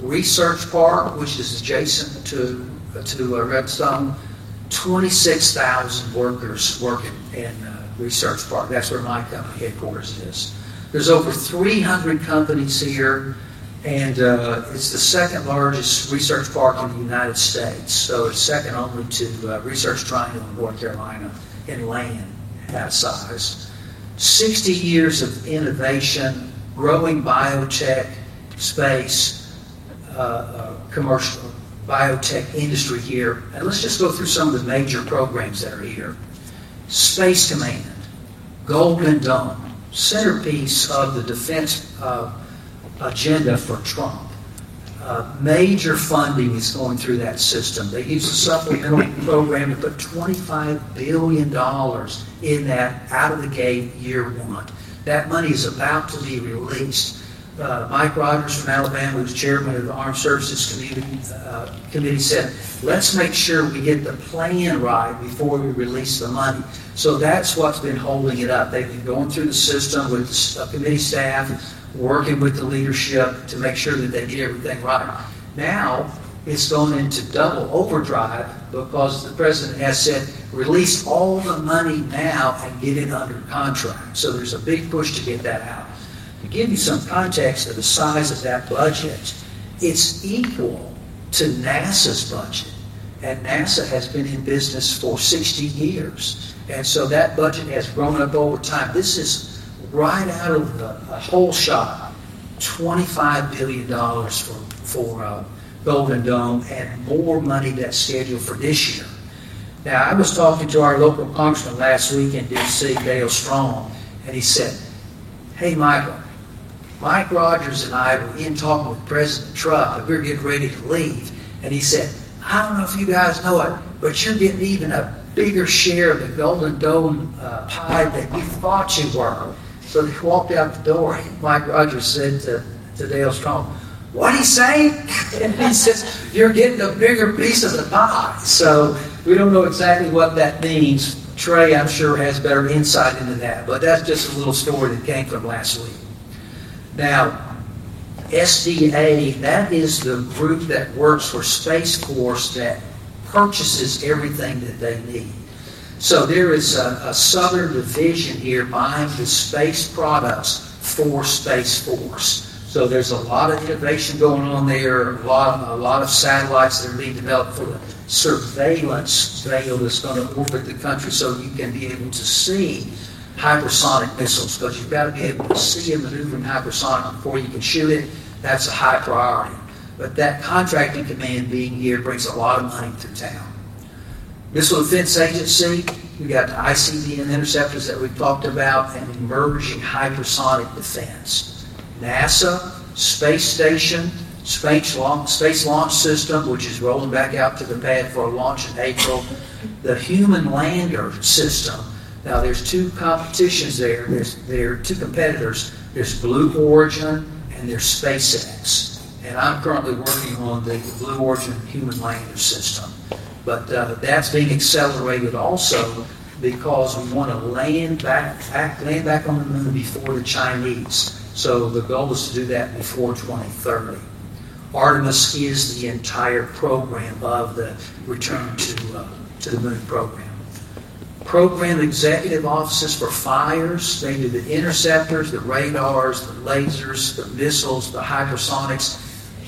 Research Park, which is adjacent to Redstone, 26,000 workers working in Research Park. That's where my company headquarters is. There's over 300 companies here, and it's the second largest research park in the United States, so it's second only to Research Triangle in North Carolina in land size. 60 years of innovation, growing biotech space, commercial biotech industry here. Let's just go through some of the major programs that are here. United States Space Command, Golden Dome, centerpiece of the defense agenda for President Trump. Major funding is going through that system. They used a supplemental program to put $25 billion in that out of the gate, year one. That money is about to be released. Mike Rogers from Alabama, who's Chairman of the House Armed Services Committee, said, "Let's make sure we get the plan right before we release the money." That's what's been holding it up. They've been going through the system with a committee staff, working with the leadership to make sure that they get everything right. Now, it's going into double overdrive because the president has said, "Release all the money now and get it under contract." There's a big push to get that out. To give you some context of the size of that budget, it's equal to NASA's budget, and NASA has been in business for 60 years. That budget has grown up over time. This is right out of the hole shot, $25 billion for Golden Dome and more money that's scheduled for this year. I was talking to our local congressman last week in D.C., Dale Strong, and he said, "Hey, Michael, Mike Rogers and I were in talking with President Trump, and we were getting ready to leave." He said, "I don't know if you guys know it, but you're getting even a bigger share of the Golden Dome pie than you thought you were." They walked out the door, and Mike Rogers said to Dale Strong, "What'd he say?" He says, "You're getting a bigger piece of the pie." We don't know exactly what that means. Trey, I'm sure, has better insight into that, but that's just a little story that came from last week. SDA, that is the group that works for Space Force that purchases everything that they need. There is a southern division here buying the space products for Space Force. There's a lot of innovation going on there, a lot of satellites that are being developed for surveillance today that's gonna orbit the country, so you can be able to see hypersonic missiles, 'cause you've got to be able to see a maneuvering hypersonic before you can shoot it. That's a high priority. That contracting demand being here brings a lot of money to town. Missile Defense Agency, we've got the ICBM interceptors that we've talked about and emerging hypersonic defense. NASA, space station, space launch, Space Launch System, which is rolling back out to the pad for a launch in April. The human lander system, now there are two competitions there. There are two competitors. There's Blue Origin, and there's SpaceX, and I'm currently working on the Blue Origin human lander system. That's being accelerated also because we wanna land back on the moon before the Chinese. The goal is to do that before 2030. Artemis is the entire program of the return to the moon program. Program executive offices for fires, they do the interceptors, the radars, the lasers, the missiles, the hypersonics.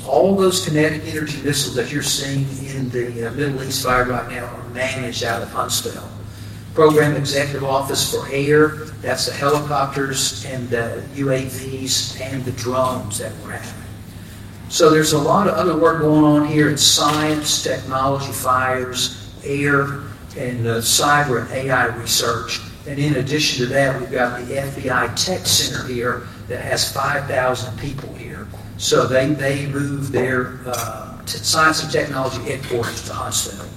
All those kinetic energy missiles that you're seeing in the Middle East fired right now are managed out of Huntsville. Program executive office for air, that's the helicopters and the UAVs and the drones that we're having. There's a lot of other work going on here in science, technology, fires, air, and cyber and AI research. In addition to that, we've got the FBI tech center here that has 5,000 people here. They moved their science and technology headquarters to Huntsville.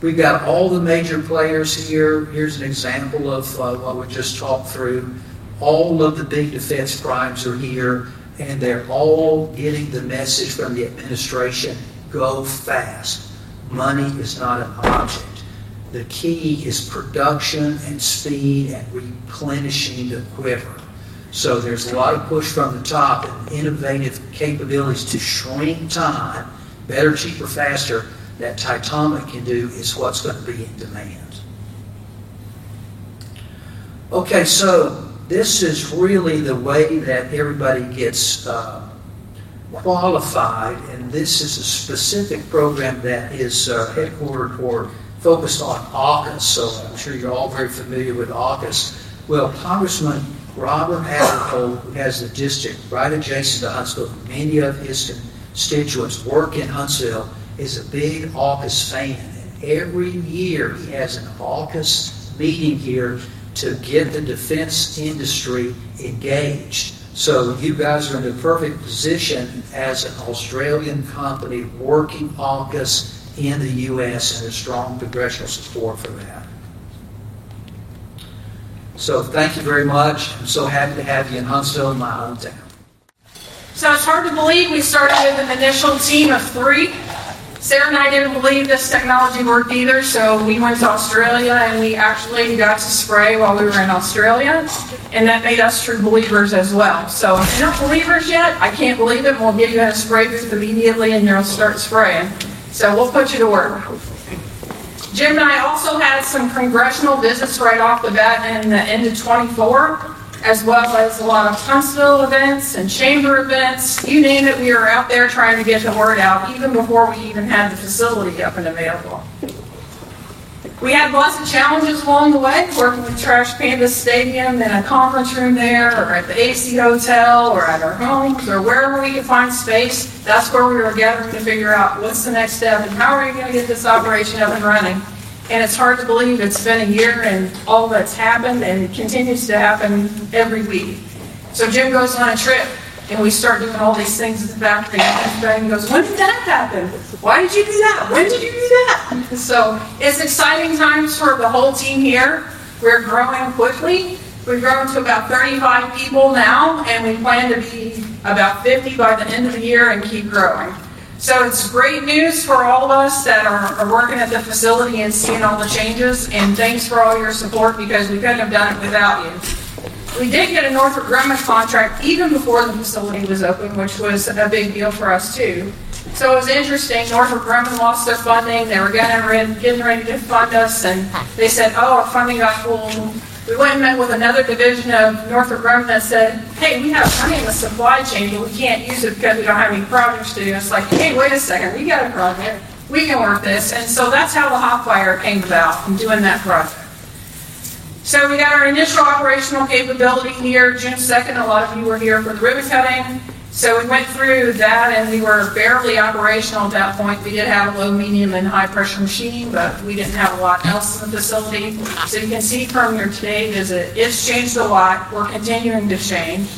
We've got all the major players here. Here's an example of what we just talked through. All of the big defense primes are here, and they're all getting the message from the administration, "Go fast." Money is not an object. The key is production and speed and replenishing the quiver. There's a lot of push from the top and innovative capabilities to shrink time better, cheaper, faster that Titomic can do is what's gonna be in demand. Okay, this is really the way that everybody gets qualified, and this is a specific program that is headquartered or focused on AUKUS. I'm sure you're all very familiar with AUKUS. Well, Congressman Robert Aderholt, who has the district right adjacent to Huntsville, many of his constituents work in Huntsville, is a big AUKUS fan. Every year he has an AUKUS meeting here to get the defense industry engaged. You guys are in the perfect position as an Australian company working AUKUS in the U.S., and there's strong congressional support for that. Thank you very much. I'm so happy to have you in Huntsville, my hometown. It's hard to believe we started with an initial team of three. Sarah and I didn't believe this technology worked either, so we went to Australia, and we actually got to spray while we were in Australia, and that made us true believers as well. If you're not believers yet, I can't believe it, we'll get you in a spray booth immediately, and you'll start spraying. We'll put you to work. Jim and I also had some congressional visits right off the bat in end of 2024, as well as a lot of Huntsville events and chamber events. You name it, we were out there trying to get the word out even before we even had the facility up and available. We had lots of challenges along the way, working with Trash Pandas Stadium in a conference room there, or at the AC Hotel, or at our homes, or wherever we could find space. That's where we were gathering to figure out what's the next step and how are we gonna get this operation up and running. It's hard to believe it's been a year and all that's happened, and it continues to happen every week. Jim goes on a trip, and we start doing all these things at the factory. He comes back and he goes, "When did that happen? Why did you do that? When did you do that?" It's exciting times for the whole team here. We're growing quickly. We've grown to about 35 people now, and we plan to be about 50 by the end of the year and keep growing. It's great news for all of us that are working at the facility and seeing all the changes, and thanks for all your support because we couldn't have done it without you. We did get a Northrop Grumman contract even before the facility was open, which was a big deal for us too. It was interesting. Northrop Grumman lost their funding. They were getting ready to fund us, and they said, "Oh, our funding got pulled." We went and met with another division of Northrop Grumman that said, "Hey, we have funding in the supply chain, but we can't use it because we don't have any projects to do." It's like, "Hey, wait a second. We got a project. We can work this." That's how the hot wire came about, from doing that project. We got our initial operational capability here June 2nd. A lot of you were here for the ribbon cutting. We went through that, and we were barely operational at that point. We did have a low, medium, and high-pressure machine, but we didn't have a lot else in the facility. You can see from here today it's changed a lot. We're continuing to change.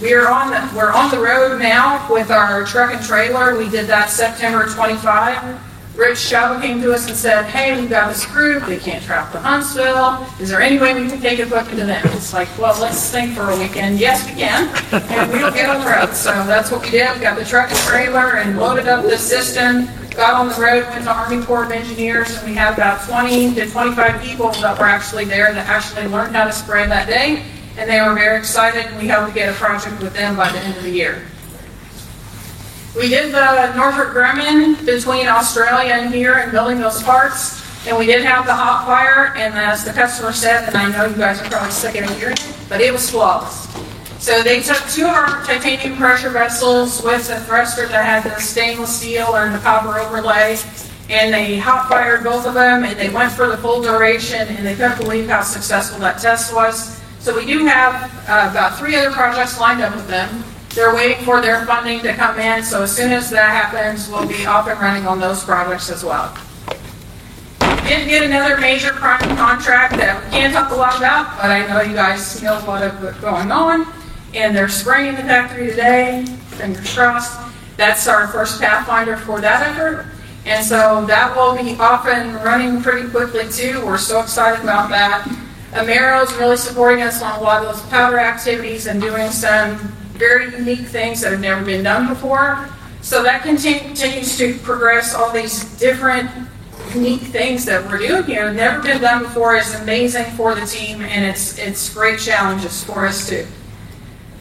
We're on the road now with our truck and trailer. We did that September 25. Rich Choppa came to us and said, "Hey, we've got this group. They can't travel to Huntsville. Is there any way we can take it back to them?" It's like, "Well, let's think for a weekend. Yes, we can, and we will get on the road." That's what we did. We got the truck and trailer and loaded up the system, got on the road with the Army Corps of Engineers, and we have about 20-25 people that were actually there that actually learned how to spray that day, and they were very excited, and we hope to get a project with them by the end of the year. We did the Northrop Grumman between Australia and here and building those parts, and we did have the hot fire and, as the customer said, and I know you guys are probably sick of hearing it, but it was flawless. They took two of our titanium pressure vessels with a thruster that had the stainless steel and the copper overlay, and they hot-fired both of them, and they went for the full duration, and they couldn't believe how successful that test was. We do have about three other projects lined up with them. They're waiting for their funding to come in, so as soon as that happens, we'll be up and running on those projects as well. We did get another major prime contract that we can't talk a lot about, but I know you guys know what is going on, and they're spraying the factory today. Fingers crossed. That's our first pathfinder for that effort. That will be up and running pretty quickly too. We're so excited about that. Amaro's really supporting us on a lot of those powder activities and doing some very unique things that have never been done before. That continues to progress all these different unique things that we're doing here. Never been done before. It's amazing for the team, and it's great challenges for us too.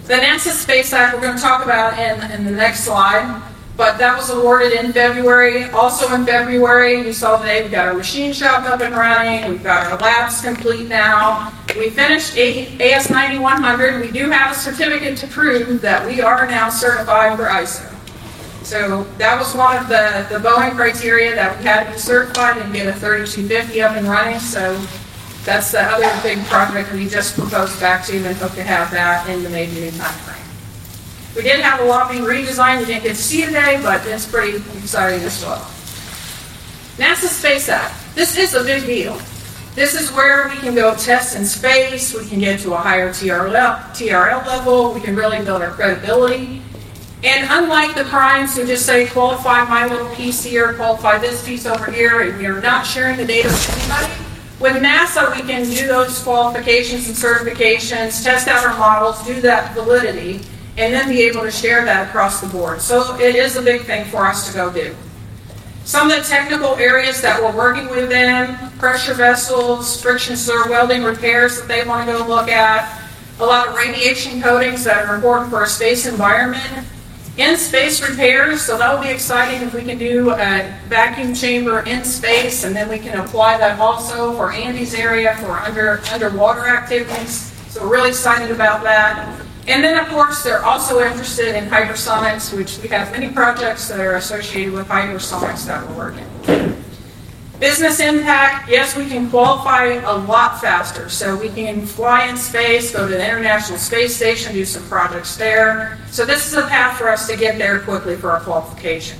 The NASA Space Act we're gonna talk about in the next slide, but that was awarded in February. Also in February, you saw today we've got our machine shop up and running. We've got our labs complete now. We finished AS9100. We do have a certificate to prove that we are now certified for ISO. So that was one of the Boeing criteria that we had to be certified and get a TKF 3250R up and running. So that's the other big project we just proposed back to them and hope to have that in the May, June timeframe. We did have a lobby redesign you didn't get to see today, but it's pretty exciting as well. NASA Space Act, this is a big deal. This is where we can build tests in space. We can get to a higher TRL level. We can really build our credibility. Unlike the primes who just say, "Qualify my little piece here, qualify this piece over here, and we are not sharing the data with anybody." With NASA, we can do those qualifications and certifications, test out our models, do that validity, and then be able to share that across the board. It is a big thing for us to go do. Some of the technical areas that we're working with them, pressure vessels, friction stir welding repairs that they wanna go look at, a lot of radiation coatings that are important for our space environment. In space repairs, that'll be exciting if we can do a vacuum chamber in space, and then we can apply that also for Andy's area for underwater activities. We're really excited about that. Of course, they're also interested in hypersonics, which we have many projects that are associated with hypersonics that we're working. Business impact, yes, we can qualify a lot faster. We can fly in space, go to the International Space Station, do some projects there. This is a path for us to get there quickly for our qualification.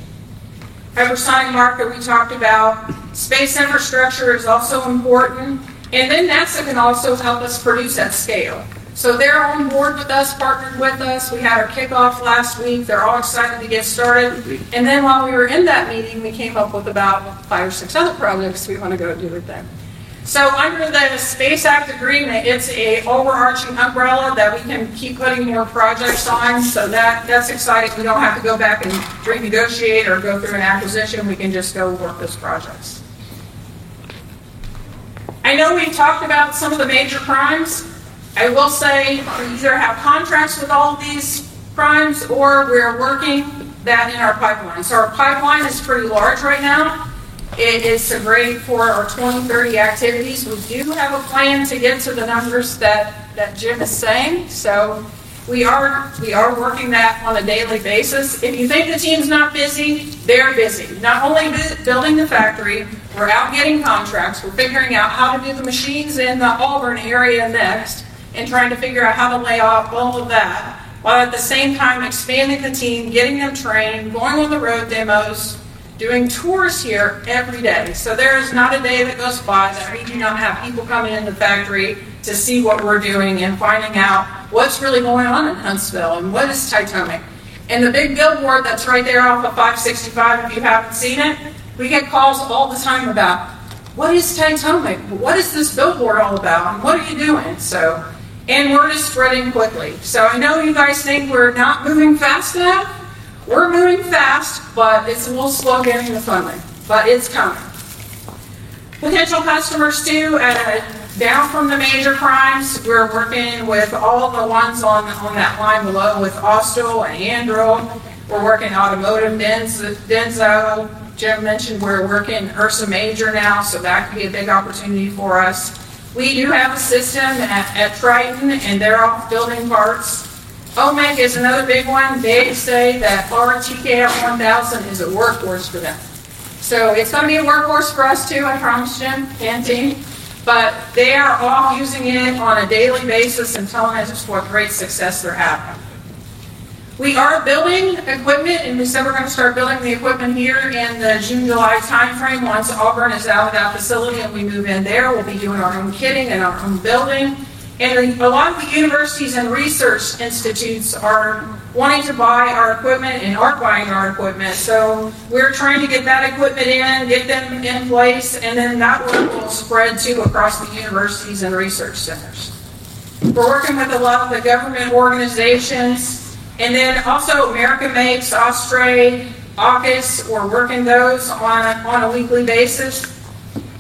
Hypersonic market we talked about. Space infrastructure is also important. NASA can also help us produce at scale. They're on board with us, partnered with us. We had our kickoff last week. They're all excited to get started. While we were in that meeting, we came up with about five or six other projects we wanna go do with them. Under the Space Act Agreement, it's an overarching umbrella that we can keep putting more projects on. That's exciting. We don't have to go back and renegotiate or go through an acquisition. We can just go work those projects. I know we talked about some of the major primes. I will say we either have contracts with all of these primes, or we're working that in our pipeline. Our pipeline is pretty large right now. It is to ready for our 2030 activities. We do have a plan to get to the numbers that Jim is saying. We are working that on a daily basis. If you think the team's not busy, they're busy. Not only building the factory, we're out getting contracts. We're figuring out how to do the machines in the Auburn area next and trying to figure out how to lay off all of that, while at the same time expanding the team, getting them trained, going on the road demos, doing tours here every day. There is not a day that goes by that we do not have people coming in the factory to see what we're doing and finding out what's really going on in Huntsville and what is Titomic. The big billboard that's right there off of 565, if you haven't seen it, we get calls all the time about, "What is Titomic? What is this billboard all about, and what are you doing?" Word is spreading quickly. I know you guys think we're not moving fast enough. We're moving fast, but it's a little slow getting the funding, but it's coming. Potential customers too, down from the major primes, we're working with all the ones on that line below with Austal and Anduril. We're working automotive, Denso. Jim mentioned we're working Ursa Major now, so that could be a big opportunity for us. We do have a system at Triton, and they're all building parts OMEC is another big one. They say that our TKF 1000 is a workhorse for them. It's gonna be a workhorse for us too, I promise Jim and team, but they are all using it on a daily basis and telling us what great success they're having. We are building equipment, and we said we're gonna start building the equipment here in the June/July timeframe once Auburn is out of that facility, and we move in there. We'll be doing our own kitting and our own building. A lot of the universities and research institutes are wanting to buy our equipment and are buying our equipment. We're trying to get that equipment in, get them in place, and then that word will spread too across the universities and research centers. We're working with a lot of the government organizations and then also American-Made, Austal, AUKUS. We're working those on a weekly basis.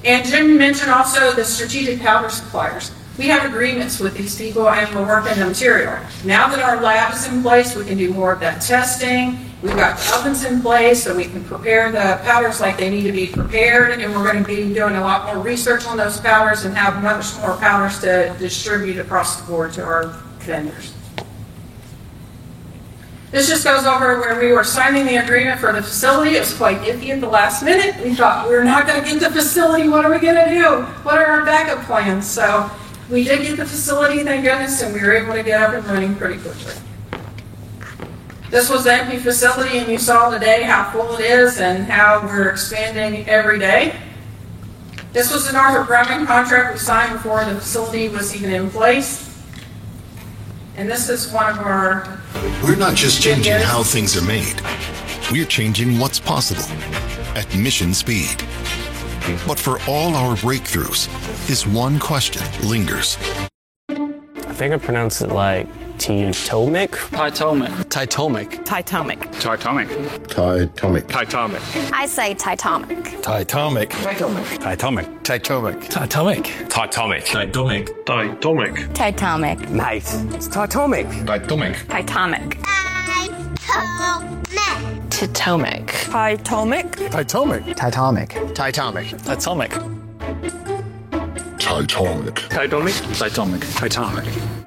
Jim mentioned also the strategic powder suppliers. We have agreements with these people, and we're working the material. Now that our lab is in place, we can do more of that testing. We've got the ovens in place, so we can prepare the powders like they need to be prepared, and we're gonna be doing a lot more research on those powders and have much more powders to distribute across the board to our vendors. This just goes over where we were signing the agreement for the facility. It was quite iffy at the last minute. We thought, "We're not gonna get the facility. What are we gonna do? What are our backup plans?" We did get the facility, thank goodness, and we were able to get up and running pretty quickly. This was the empty facility, and you saw today how full it is and how we're expanding every day. This was another grabbing contract we signed before the facility was even in place. This is one of our- We're not just changing how things are made. We're changing what's possible at mission speed. For all our breakthroughs, this one question lingers. I think I pronounce it like Titomic. Titomic. I say Titomic. Nice. It's Titomic. Titomic. Titomic. Oh, I didn't see you there. It's Titomic, mate. I've heard the variety. Titomic, Tito-mic, Tito-mick, Titomic. No, no. It's Titomic and atomic creating Titomic. We are Titomic,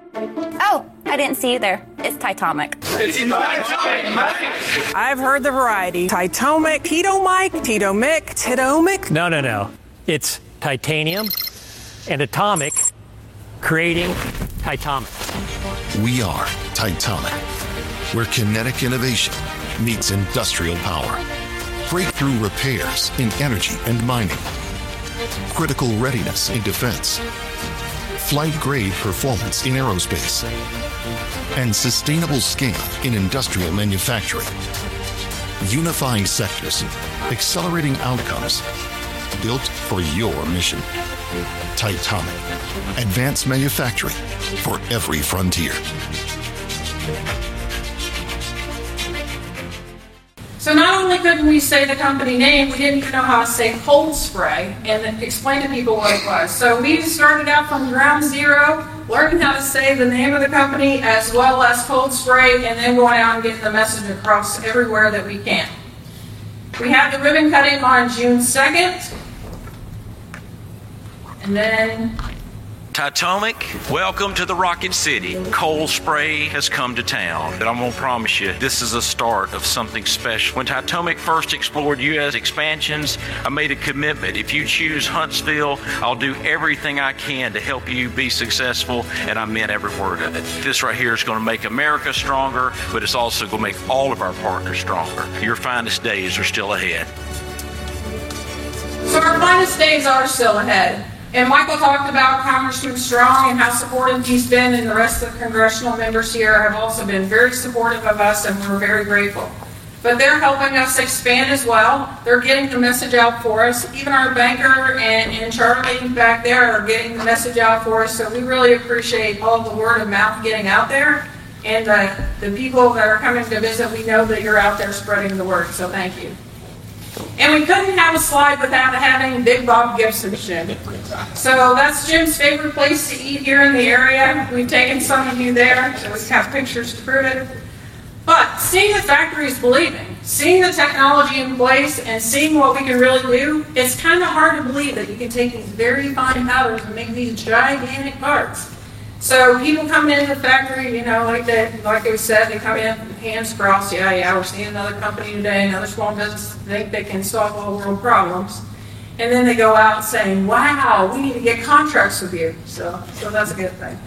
where kinetic innovation meets industrial power. Breakthrough repairs in energy and mining, critical readiness in defense. Flight-grade performance in aerospace and sustainable scale in industrial manufacturing. Unifying sectors, accelerating outcomes, built for your mission. Titomic, advanced manufacturing for every frontier. Not only couldn't we say the company name, we didn't even know how to say cold spray and then explain to people what it was. We've started out from ground zero, learning how to say the name of the company as well as cold spray, and then going out and getting the message across everywhere that we can. We have the ribbon cutting on June 2nd, and then. Titomic, welcome to the Rocket City. Cold spray has come to town, and I'm gonna promise you, this is a start of something special. When Titomic first explored U.S. expansions, I made a commitment. If you choose Huntsville, I'll do everything I can to help you be successful, and I meant every word of it. This right here is gonna make America stronger, but it's also gonna make all of our partners stronger. Your finest days are still ahead. Our finest days are still ahead, and Michael talked about Congressman Strong and how supportive he's been, and the rest of the congressional members here have also been very supportive of us, and we're very grateful. They're helping us expand as well. They're getting the message out for us. Even our banker and Charlene back there are getting the message out for us, so we really appreciate all of the word of mouth getting out there, and the people that are coming to visit, we know that you're out there spreading the word, so thank you. We couldn't have a slide without having Big Bob Gibson. That's Jim's favorite place to eat here in the area. We've taken some of you there, so we have pictures to prove it. Seeing the factory is believing. Seeing the technology in place and seeing what we can really do, it's kinda hard to believe that you can take these very fine powders and make these gigantic parts. People come into the factory, you know, like they said, they come in arms crossed, "Yeah, yeah, we're seeing another company today, another small business. They can solve all the world problems." They go out saying, "Wow, we need to get contracts with you." That's a good thing.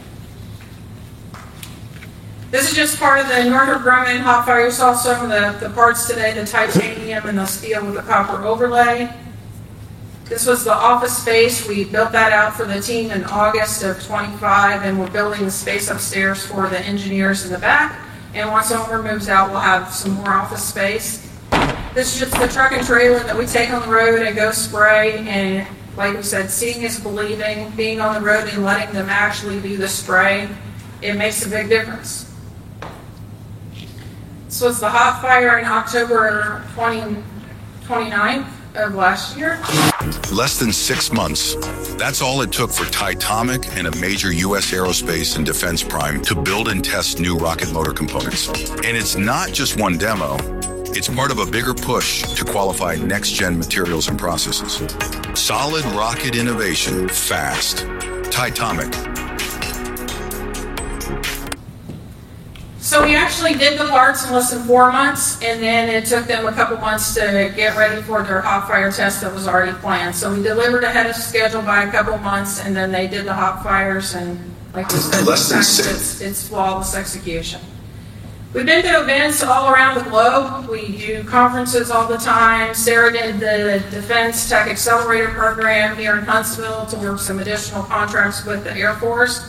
This is just part of the Northrop Grumman hot fire you saw some of the parts today, the titanium and the steel with the copper overlay. This was the office space. We built that out for the team in August of 2025, and we're building the space upstairs for the engineers in the back. Once Elmer moves out, we'll have some more office space. This is just the truck and trailer that we take on the road and go spray. Like we said, seeing is believing. Being on the road and letting them actually do the spray, it makes a big difference. It's the hot fire in October 29th of last year. Less than six months. That's all it took for Titomic and a major U.S. aerospace and defense prime to build and test new rocket motor components. It's not just one demo. It's part of a bigger push to qualify next gen materials and processes. Solid rocket innovation, fast. Titomic. We actually did the parts in less than four months, and then it took them a couple months to get ready for their hot fire test that was already planned. We delivered ahead of schedule by a couple months, and then they did the hot fires. Like you said- Less than six. It's flawless execution. We've been to events all around the globe. We do conferences all the time. Sarah did the CRP DefenseTech Accelerator program here in Huntsville to work some additional contracts with the Air Force.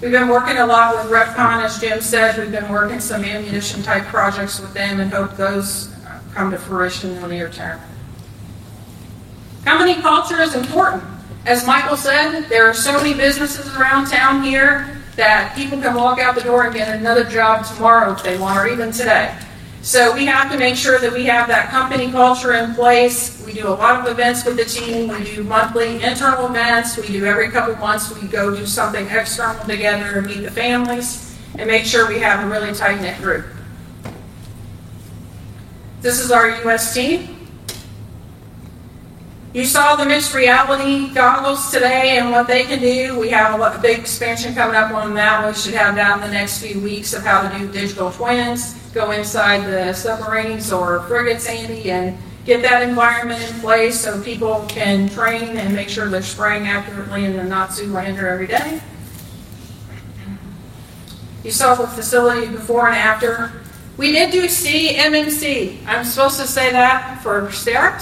We've been working a lot with Repkon. As Jim said, we've been working some ammunition-type projects with them and hope those come to fruition in the near term. Company culture is important. As Michael said, there are so many businesses around town here that people can walk out the door and get another job tomorrow if they want, or even today. We have to make sure that we have that company culture in place. We do a lot of events with the team. We do monthly internal events. We do every couple months, we go do something external together and meet the families and make sure we have a really tight-knit group. This is our U.S. team. You saw the mixed reality goggles today and what they can do. We have a big expansion coming up on that one. Should have that in the next few weeks of how to do digital twins, go inside the submarines or frigates, Andy, and get that environment in place so people can train and make sure they're spraying accurately, and they're not super under every day. You saw the facility before and after. We did do CMMC. I'm supposed to say that for Sarah.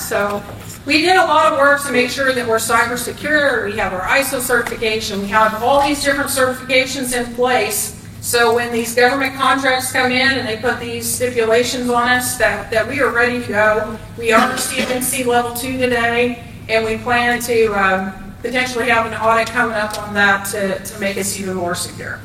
We did a lot of work to make sure that we're cyber secure. We have our ISO certification. We have all these different certifications in place, so when these government contracts come in, and they put these stipulations on us that we are ready to go. We are CMMC Level two today, and we plan to potentially have an audit coming up on that to make us even more secure.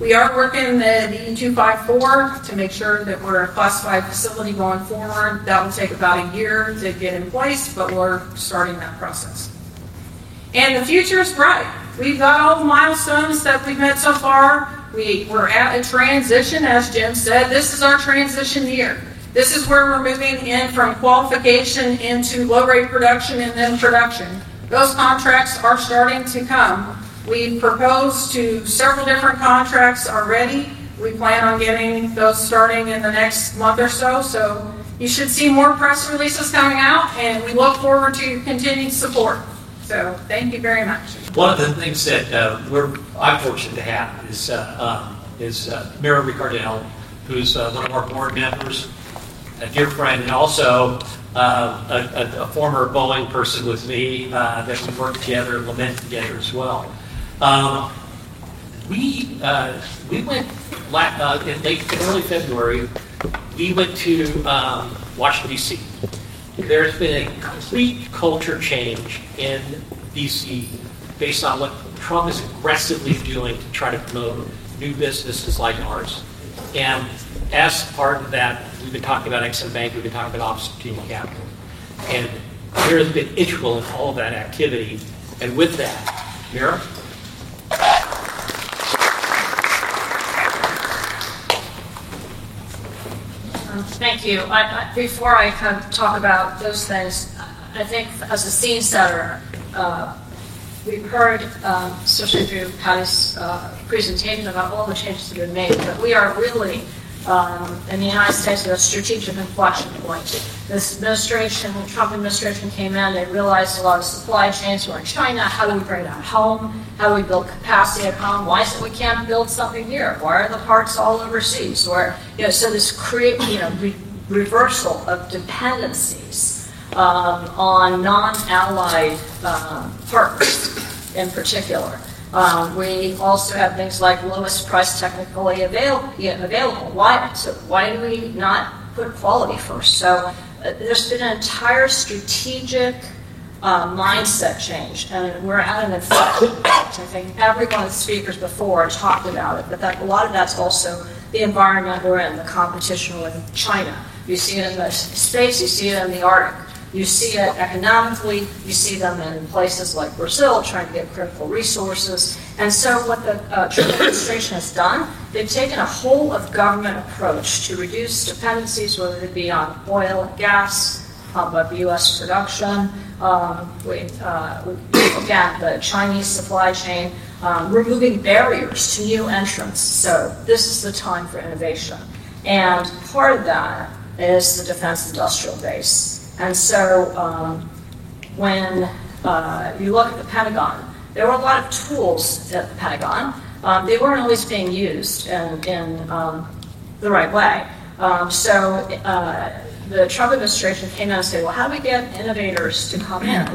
We are working the DD254 to make sure that we're a classified facility going forward. That will take about a year to get in place, but we're starting that process. The future is bright. We've got all the milestones that we've hit so far. We're at a transition. As Jim said, this is our transition year. This is where we're moving in from qualification into low rate production and then production. Those contracts are starting to come. We've proposed to several different contracts already. We plan on getting those starting in the next month or so. You should see more press releases coming out, and we look forward to your continued support. Thank you very much. One of the things that I'm fortunate to have is Mira Ricardel, who's one of our board members. A dear friend and also a former Boeing person with me that we worked together and lament together as well. In early February, we went to Washington, D.C. There's been a complete culture change in D.C. based on what Trump is aggressively doing to try to promote new businesses like ours. As part of that, we've been talking about Ex-Im Bank, we've been talking about Office of Strategic Capital, and Mira's been integral in all of that activity. With that, Mira. Thank you. Before I kind of talk about those things, I think as a scene setter, we've heard, especially through Patty's presentation about all the changes that have been made, that we are really in the United States at a strategic inflection point. This administration, the Trump administration came in, they realized a lot of supply chains were in China. How do we bring that home? How do we build capacity at home? Why is it we can't build something here? Why are the parts all overseas? You know, so this reversal of dependencies on non-ally partners in particular. We also have things like lowest price technically acceptable. Why? Why do we not put quality first? There's been an entire strategic mindset change, and we're at an inflection point. I think every one of the speakers before talked about it, but a lot of that's also the environment we're in, the competition with China. You see it in the space, you see it in the Arctic, you see it economically. You see them in places like Brazil trying to get critical resources. What the Trump administration has done, they've taken a whole of government approach to reduce dependencies, whether it be on oil and gas, of U.S. production, again, the Chinese supply chain, removing barriers to new entrants. This is the time for innovation. Part of that is the defense industrial base. When you look at the Pentagon, there were a lot of tools at the Pentagon. They weren't always being used in the right way. The Trump administration came out and said, "Well, how do we get innovators to come in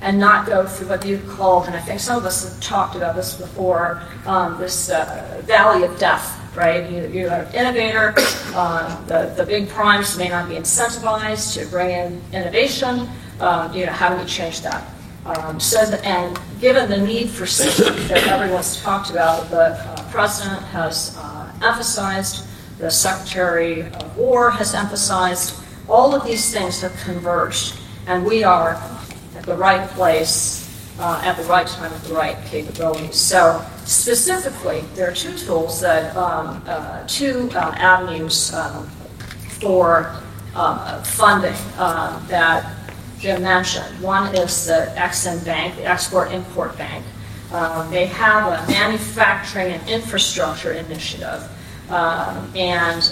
and not go through," what you've called, and I think some of us have talked about this before, this valley of death, right? You are an innovator. The big primes may not be incentivized to bring in innovation. You know, how do we change that? Given the need for speed that everyone's talked about, the president has emphasized, the Secretary of War has emphasized, all of these things have converged, and we are at the right place at the right time with the right capabilities. Specifically, there are two avenues for funding that Jim mentioned. One is the Ex-Im Bank, the Export-Import Bank. They have a manufacturing and infrastructure initiative, and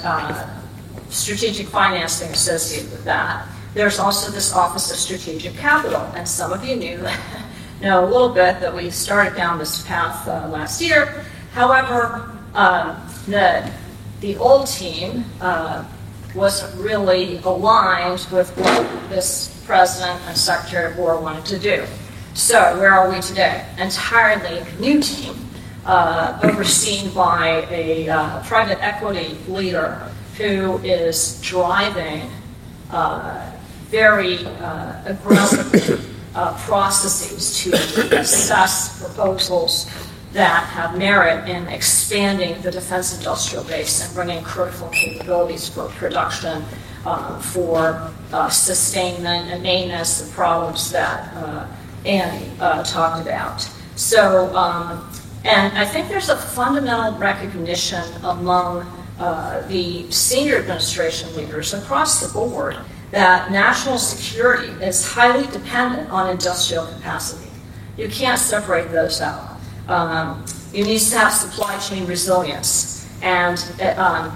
strategic financing associated with that. There's also this Office of Strategic Capital, and some of you know a little bit that we started down this path last year. However, the old team wasn't really aligned with what this president and Secretary of War wanted to do. Where are we today? Entirely new team, overseen by a private equity leader who is driving very aggressive processes to assess proposals that have merit in expanding the defense industrial base and bringing critical capabilities for production, for sustainment and maintenance, the problems that Andy Haeuptle talked about. I think there's a fundamental recognition among the senior administration leaders across the board that national security is highly dependent on industrial capacity. You can't separate those out. You need to have supply chain resilience and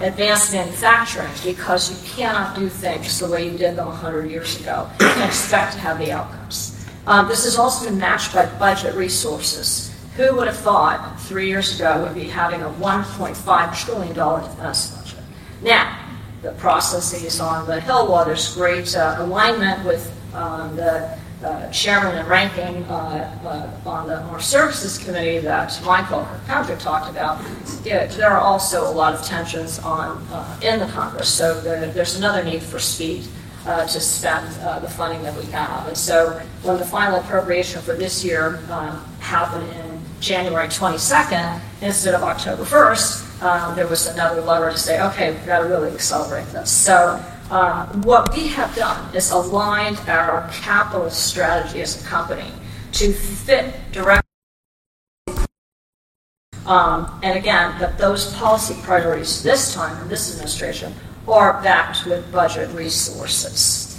advanced manufacturing because you cannot do things the way you did them 100 years ago and expect to have the outcomes. This has also been matched by budget resources. Who would have thought three years ago we'd be having a $1.5 trillion defense budget? Now, the processes on the Hill, while there's great alignment with the chairman and ranking on the Armed Services Committee that Michael Kirkpatrick talked about, yet there are also a lot of tensions in the Congress, so there's another need for speed to spend the funding that we have. When the final appropriation for this year happened in January 22nd instead of October 1st, there was another letter to say, "Okay, we gotta really accelerate this." What we have done is aligned our capital strategy as a company to fit directly. Again, those policy priorities this time in this administration are backed with budget resources.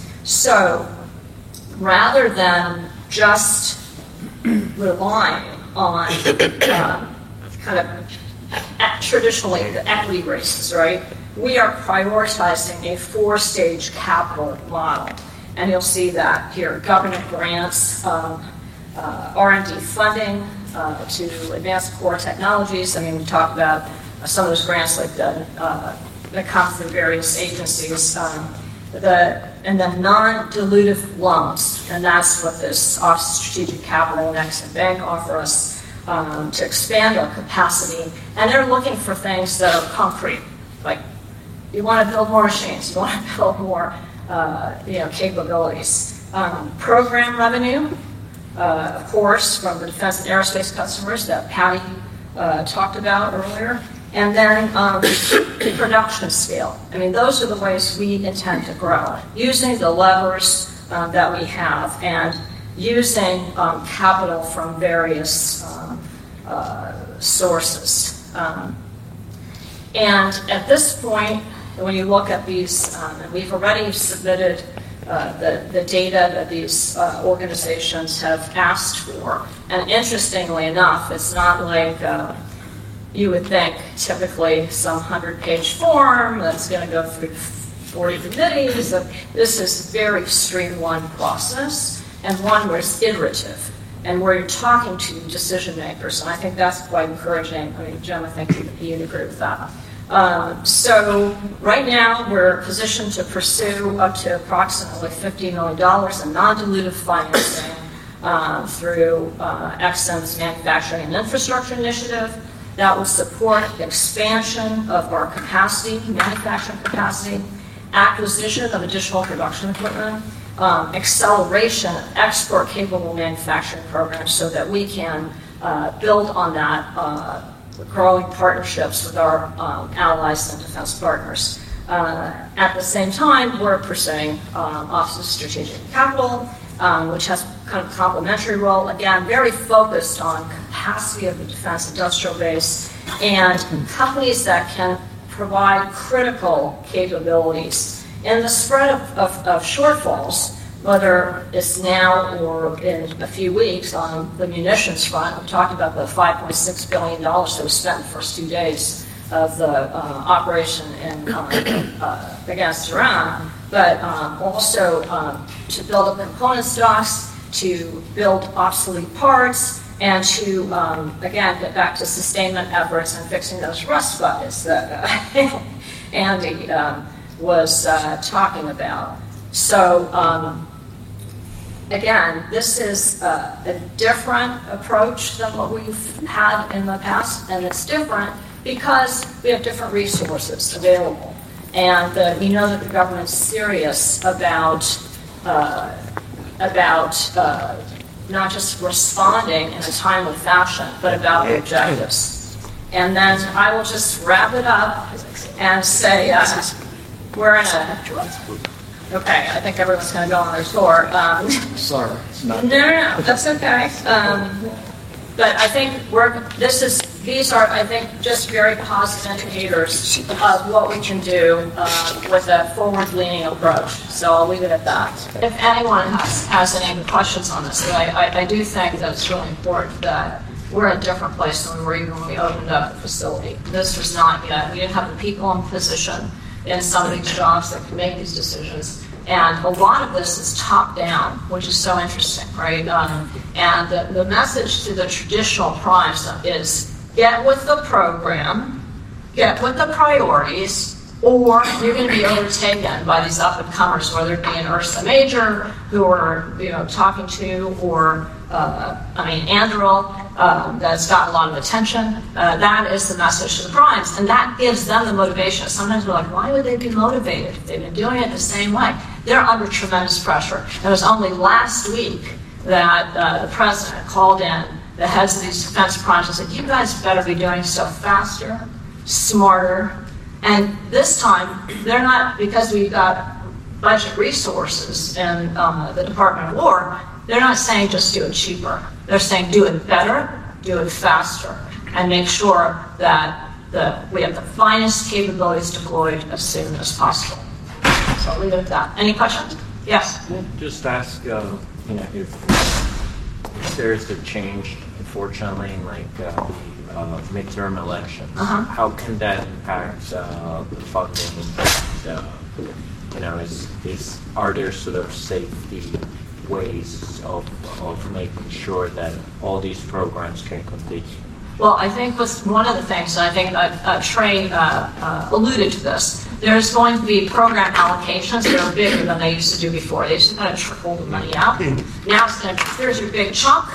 Rather than just relying on kind of traditionally the equity raises, right? We are prioritizing a four-stage capital model, and you'll see that here. Government grants, R&D funding to advance core technologies. I mean, we talked about some of those grants like that come from various agencies. The non-dilutive loans, and that's what this Office of Strategic Capital and Ex-Im Bank offer us to expand our capacity. They're looking for things that are concrete. Like, you wanna build more machines, you wanna build more, you know, capabilities. Program revenue, of course, from the defense and aerospace customers that Patty talked about earlier. Then, the production scale. I mean, those are the ways we intend to grow using the levers that we have and using capital from various sources. At this point, we've already submitted the data that these organizations have asked for. Interestingly enough, it's not like you would think typically some hundred-page form that's gonna go through four committees. This is a very streamlined process, and one where it's iterative and where you're talking to decision-makers, and I think that's quite encouraging. I mean, gentlemen, I think you would agree with that. Right now, we're positioned to pursue up to approximately $50 million in non-dilutive financing through Ex-Im's Manufacturing and Infrastructure initiative. That would support the expansion of our capacity, manufacturing capacity, acquisition of additional production equipment, acceleration of export-capable manufacturing programs so that we can build on that growing partnerships with our allies and defense partners. At the same time, we're pursuing Office of Strategic Capital, which has a kind of complementary role. Again, very focused on capacity of the defense industrial base and companies that can provide critical capabilities. The spread of shortfalls, whether it's now or in a few weeks on the munitions front. We've talked about the $5.6 billion that was spent in the first two days of the operation in against Iran. Also, to build up component stocks, to build obsolete parts, and to, again, get back to sustainment efforts and fixing those rust buckets that Andy was talking about. Again, this is a different approach than what we've had in the past, and it's different because we have different resources available. We know that the government is serious about not just responding in a timely fashion, but about the objectives. Then I will just wrap it up and say, okay, I think everyone's gonna go on their tour. Sorry. It's nothing. No. That's okay. I think these are, I think, just very positive indicators of what we can do with a forward-leaning approach. I'll leave it at that. If anyone has any questions on this? I do think that it's really important that we're at a different place than we were even when we opened up the facility. This was not. We didn't have the people in position in some of these jobs that can make these decisions. A lot of this is top-down, which is so interesting, right? The message to the traditional primes is: get with the program, get with the priorities, or you're gonna be overtaken by these up-and-comers, whether it be an Ursa Major who we're, you know, talking to or, I mean, Anduril, that's got a lot of attention. That is the message to the primes, and that gives them the motivation. Sometimes we're like, "Why would they be motivated if they've been doing it the same way?" They're under tremendous pressure. It's only last week that the President called in the heads of these defense primes and said, "You guys better be doing stuff faster, smarter." This time, because we've got budget resources in the Department of Defense, they're not saying, "Just do it cheaper." They're saying, "Do it better, do it faster, and make sure that we have the finest capabilities deployed as soon as possible." I'll leave it at that. Any questions? Yes. Can I just ask, you know, if there is a change, unfortunately, in like the midterm elections? Uh-huh. How can that impact the funding and, you know, are there sort of safety ways of making sure that all these programs can complete? Well, I think one of the things, and I think Trey alluded to this. There is going to be program allocations that are bigger than they used to do before. They used to kind of trickle the money out. Mm-hmm. Now it's like, here's your big chunk.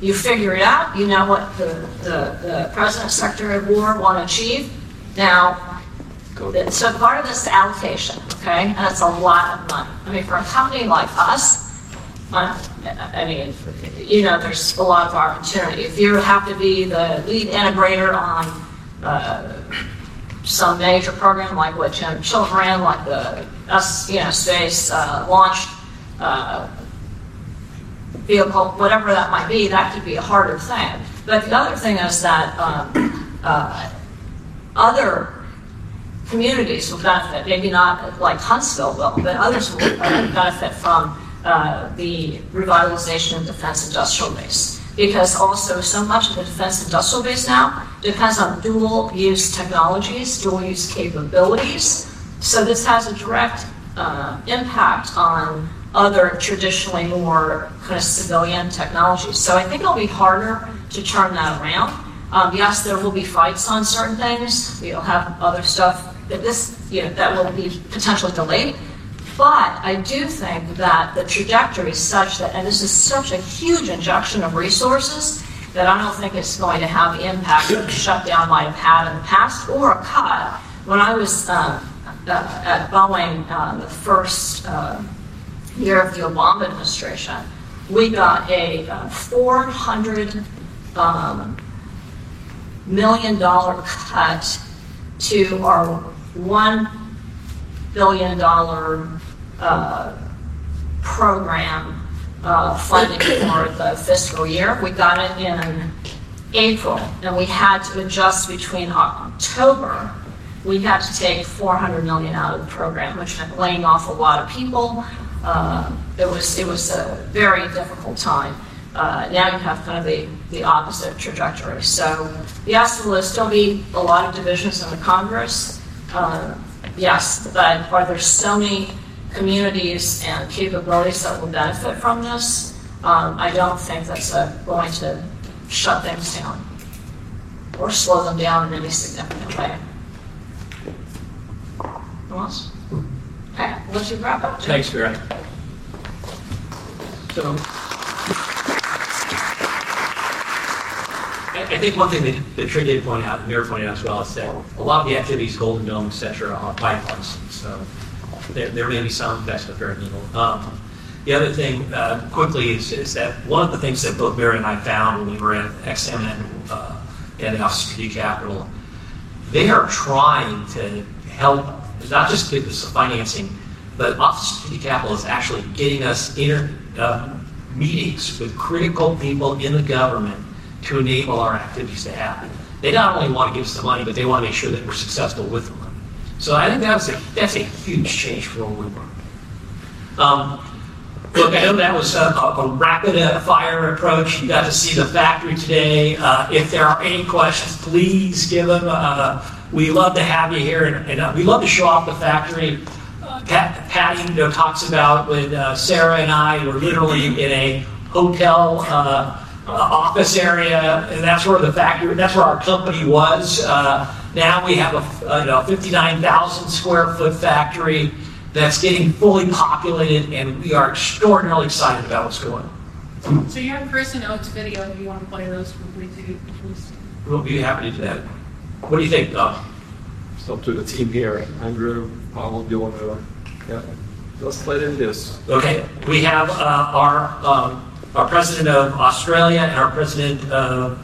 You figure it out. You know what the President and Secretary of War wanna achieve. Got it. Part of it is the allocation, okay? It's a lot of money. I mean, for a company like us, I mean, you know, there's a lot of opportunity. If you happen to be the lead integrator on some major program like what James Chilton ran, like you know, space launch vehicle, whatever that might be, that could be a harder thing. The other thing is that other communities will benefit. Maybe not like Huntsville will, but others will benefit from the revitalization of defense industrial base. Because also so much of the defense industrial base now depends on dual-use technologies, dual-use capabilities. I think it'll be harder to turn that around. Yes, there will be fights on certain things. We'll have other stuff, you know, that will be potentially delayed. I do think that the trajectory is such that, and this is such a huge injection of resources, that I don't think it's going to have the impact a shutdown might have had in the past or a cut. When I was at Boeing, the first year of the Obama administration, we got a $400 million cut to our $1 billion program funding for the fiscal year. We got it in April, and we had to adjust between October. We had to take $400 million out of the program, which meant laying off a lot of people. It was a very difficult time. Now you have kind of the opposite trajectory. Yes, there will still be a lot of divisions in the Congress, yes. Are there so many communities and capabilities that will benefit from this? I don't think that's going to shut things down or slow them down in any significant way. Anyone else? Okay. We'll let you wrap up, Jim. Thanks, Mira. I think one thing that Trey did point out and Mira pointed out as well is that a lot of the activities, Golden Dome, et cetera, are pipelines. There may be some investment there. The other thing quickly is that one of the things that both Mira and I found when we were at XMN and the Office of Strategic Capital, they are trying to help. It's not just give us the financing, but Office of Strategic Capital is actually getting us meetings with critical people in the government to enable our activities to happen. They not only wanna give us the money, but they wanna make sure that we're successful with the money. I think that's a huge change for the win. Look, I know that was a rapid-fire approach. You got to see the factory today. If there are any questions, please give them. We love to have you here and we love to show off the factory. Patt, you know, talks about when Sarah and I were literally in a hotel office area, and that's where our company was. Now we have a 59,000 sq ft factory that's getting fully populated, and we are extraordinarily excited about what's going on. You have Chris Myers video, if you wanna play those for three, two. Please. We'll be happy to that. What do you think? It's up to the team here. Andrew, do you wanna? Yeah. Let's play this. Okay. We have our President of Australia and our President of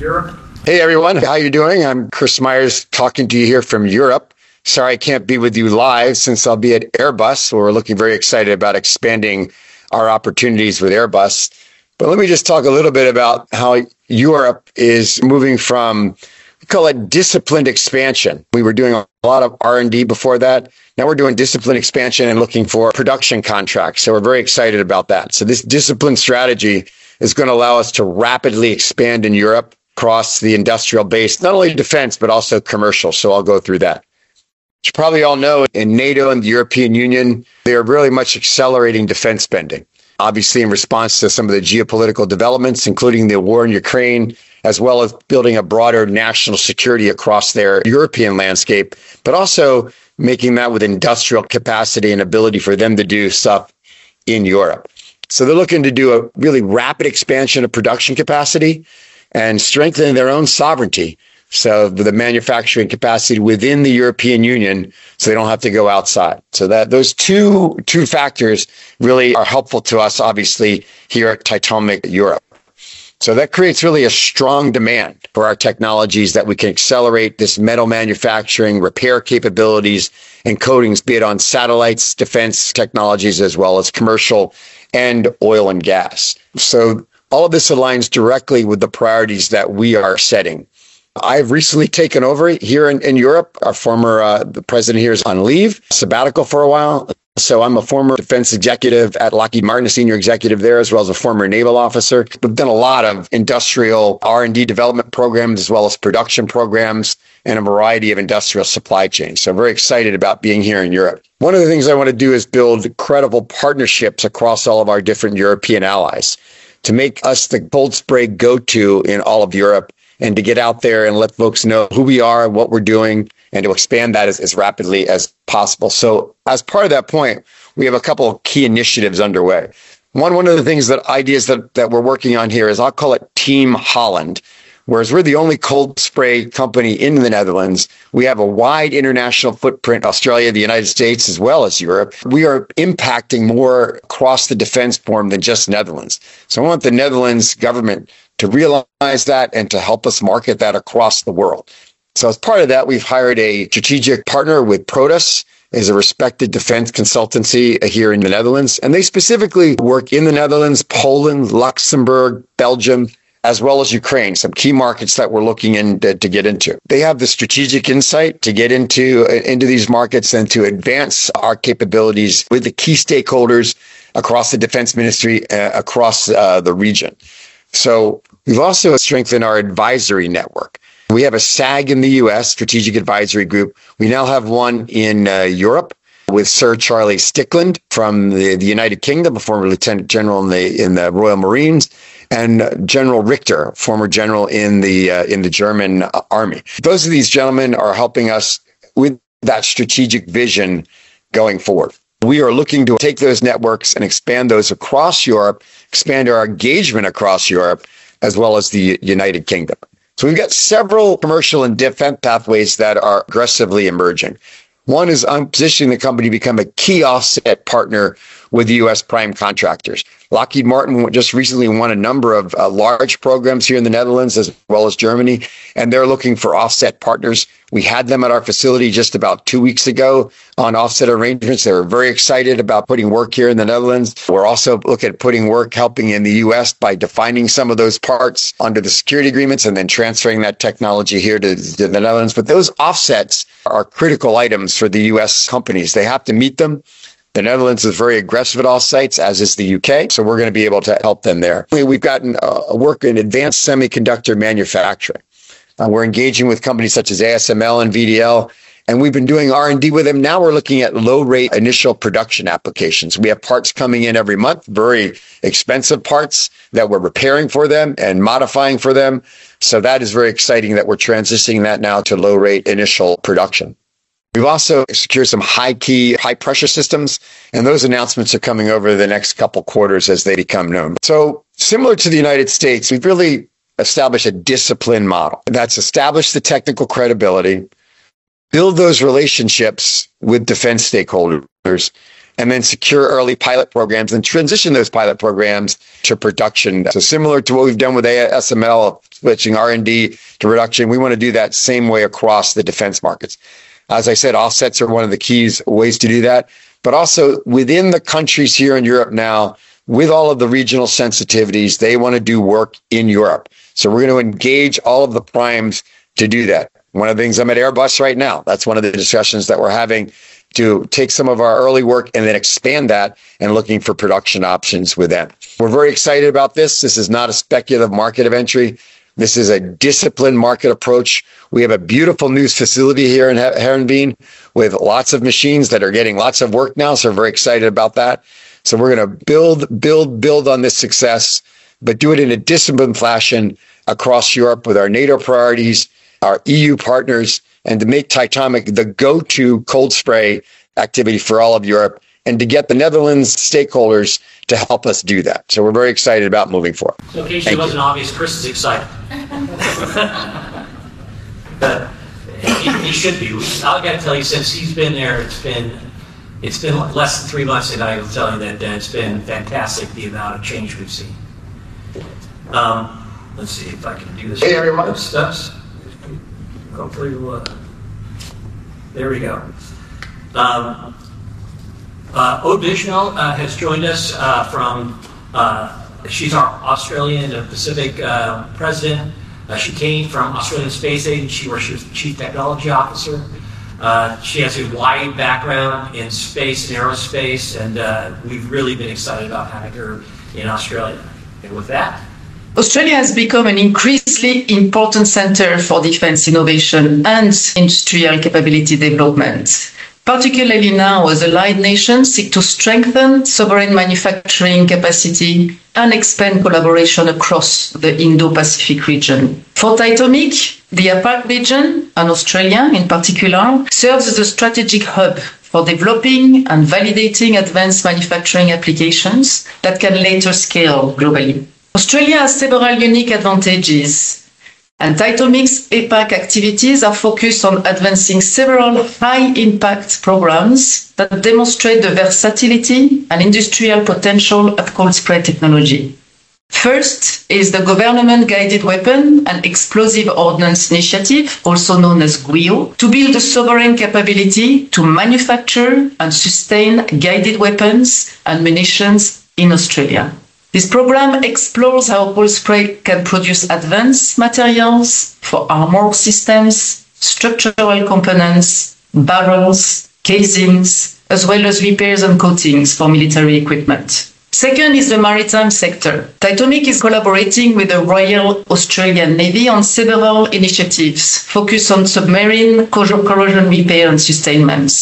Europe. Hey, everyone. How are you doing? I'm Chris Myers talking to you here from Europe. Sorry, I can't be with you live since I'll be at Airbus. We're looking very excited about expanding our opportunities with Airbus. Let me just talk a little bit about how Europe is moving from, we call it disciplined expansion. We were doing a lot of R&D before that. Now we're doing disciplined expansion and looking for production contracts, we're very excited about that. This disciplined strategy is gonna allow us to rapidly expand in Europe across the industrial base, not only defense, but also commercial. I'll go through that. As you probably all know, in NATO and the European Union, they're really much accelerating defense spending, obviously in response to some of the geopolitical developments, including the war in Ukraine, as well as building a broader national security across their European landscape, but also making that with industrial capacity and ability for them to do stuff in Europe. They're looking to do a really rapid expansion of production capacity and strengthening their own sovereignty. The manufacturing capacity within the European Union, so they don't have to go outside. That, those two factors really are helpful to us, obviously, here at Titomic Europe. That creates really a strong demand for our technologies that we can accelerate this metal manufacturing, repair capabilities, and coatings, be it on satellites, defense technologies, as well as commercial and oil and gas. All of this aligns directly with the priorities that we are setting. I've recently taken over here in Europe. Our former, the president here is on leave, sabbatical for a while. I'm a former defense executive at Lockheed Martin, a senior executive there, as well as a former naval officer. We've done a lot of industrial R&D development programs, as well as production programs and a variety of industrial supply chains. I'm very excited about being here in Europe. One of the things I wanna do is build credible partnerships across all of our different European allies to make us the cold spray go-to in all of Europe and to get out there and let folks know who we are and what we're doing and to expand that as rapidly as possible. As part of that point, we have a couple of key initiatives underway. One of the things that we're working on here is I'll call it Team Holland, whereas we're the only cold spray company in the Netherlands. We have a wide international footprint, Australia, the United States, as well as Europe. We are impacting more across the defense forum than just Netherlands. I want the Netherlands government to realize that and to help us market that across the world. As part of that, we've hired a strategic partner with Protos, a respected defense consultancy here in the Netherlands, and they specifically work in the Netherlands, Poland, Luxembourg, Belgium, as well as Ukraine, some key markets that we're looking to get into. They have the strategic insight to get into these markets and to advance our capabilities with the key stakeholders across the defense ministry, across the region. We've also strengthened our advisory network. We have a SAG in the U.S., Strategic Advisory Group. We now have one in Europe with Sir Charlie Stickland from the United Kingdom, a former lieutenant general in the Royal Marines, and General Richter, former general in the German army. Both of these gentlemen are helping us with that strategic vision going forward. We are looking to take those networks and expand those across Europe, expand our engagement across Europe as well as the United Kingdom. We've got several commercial and defense pathways that are aggressively emerging. One is I'm positioning the company to become a key offset partner with the U.S. prime contractors. Lockheed Martin just recently won a number of large programs here in the Netherlands as well as Germany, and they're looking for offset partners. We had them at our facility just about two weeks ago on offset arrangements. They were very excited about putting work here in the Netherlands. We're also looking at putting work helping in the U.S. by defining some of those parts under the security agreements and then transferring that technology here to the Netherlands. Those offsets are critical items for the U.S. companies. They have to meet them. The Netherlands is very aggressive at all sites, as is the U.K., so we're gonna be able to help them there. We've gotten work in advanced semiconductor manufacturing. We're engaging with companies such as ASML and VDL, and we've been doing R&D with them. Now we're looking at low-rate initial production applications. We have parts coming in every month, very expensive parts that we're repairing for them and modifying for them. That is very exciting that we're transitioning that now to low-rate initial production. We've also secured some high-key high-pressure systems, and those announcements are coming over the next couple quarters as they become known. Similar to the United States, we've really established a disciplined model that's established the technical credibility, build those relationships with defense stakeholders, and then secure early pilot programs and transition those pilot programs to production. Similar to what we've done with ASML, switching R&D to production, we wanna do the same way across the defense markets. As I said, offsets are one of the key ways to do that. Also within the countries here in Europe now, with all of the regional sensitivities, they wanna do work in Europe. We're gonna engage all of the primes to do that. One of the things, I'm at Airbus right now, that's one of the discussions that we're having to take some of our early work and then expand that and looking for production options with them. We're very excited about this. This is not a speculative market of entry. This is a disciplined market approach. We have a beautiful new facility here in Heerenveen with lots of machines that are getting lots of work now, so we're very excited about that. We're gonna build, build on this success, but do it in a disciplined fashion across Europe with our NATO priorities, our EU partners, and to make Titomic the go-to cold spray activity for all of Europe, and to get the Netherlands stakeholders to help us do that. We're very excited about moving forward. Thank you. In case it wasn't obvious, Chris is excited. He should be. I've got to tell you, since he's been there, it's been less than three months, and I will tell you that it's been fantastic the amount of change we've seen. Let's see if I can do this. Hey, everyone. Next steps. Aude Vignelles has joined us from. She's our Australian and Pacific president. She came from Australian Space Agency, where she was the Chief Technology Officer. She has a wide background in space and aerospace, and we've really been excited about having her in Australia. With that. Australia has become an increasingly important center for defense innovation and industrial capability development, particularly now as allied nations seek to strengthen sovereign manufacturing capacity and expand collaboration across the Indo-Pacific region. For Titomic, the APAC region, and Australia in particular, serves as a strategic hub for developing and validating advanced manufacturing applications that can later scale globally. Australia has several unique advantages, and Titomic's APAC activities are focused on advancing several high-impact programs that demonstrate the versatility and industrial potential of cold spray technology. First is the Government Guided Weapon and Explosive Ordnance Initiative, also known as GWEOI, to build a sovereign capability to manufacture and sustain guided weapons and munitions in Australia. This program explores how cold spray can produce advanced materials for armor systems, structural components, barrels, casings, as well as repairs and coatings for military equipment. Second is the maritime sector. Titomic is collaborating with the Royal Australian Navy on several initiatives focused on submarine corrosion repair and sustainment.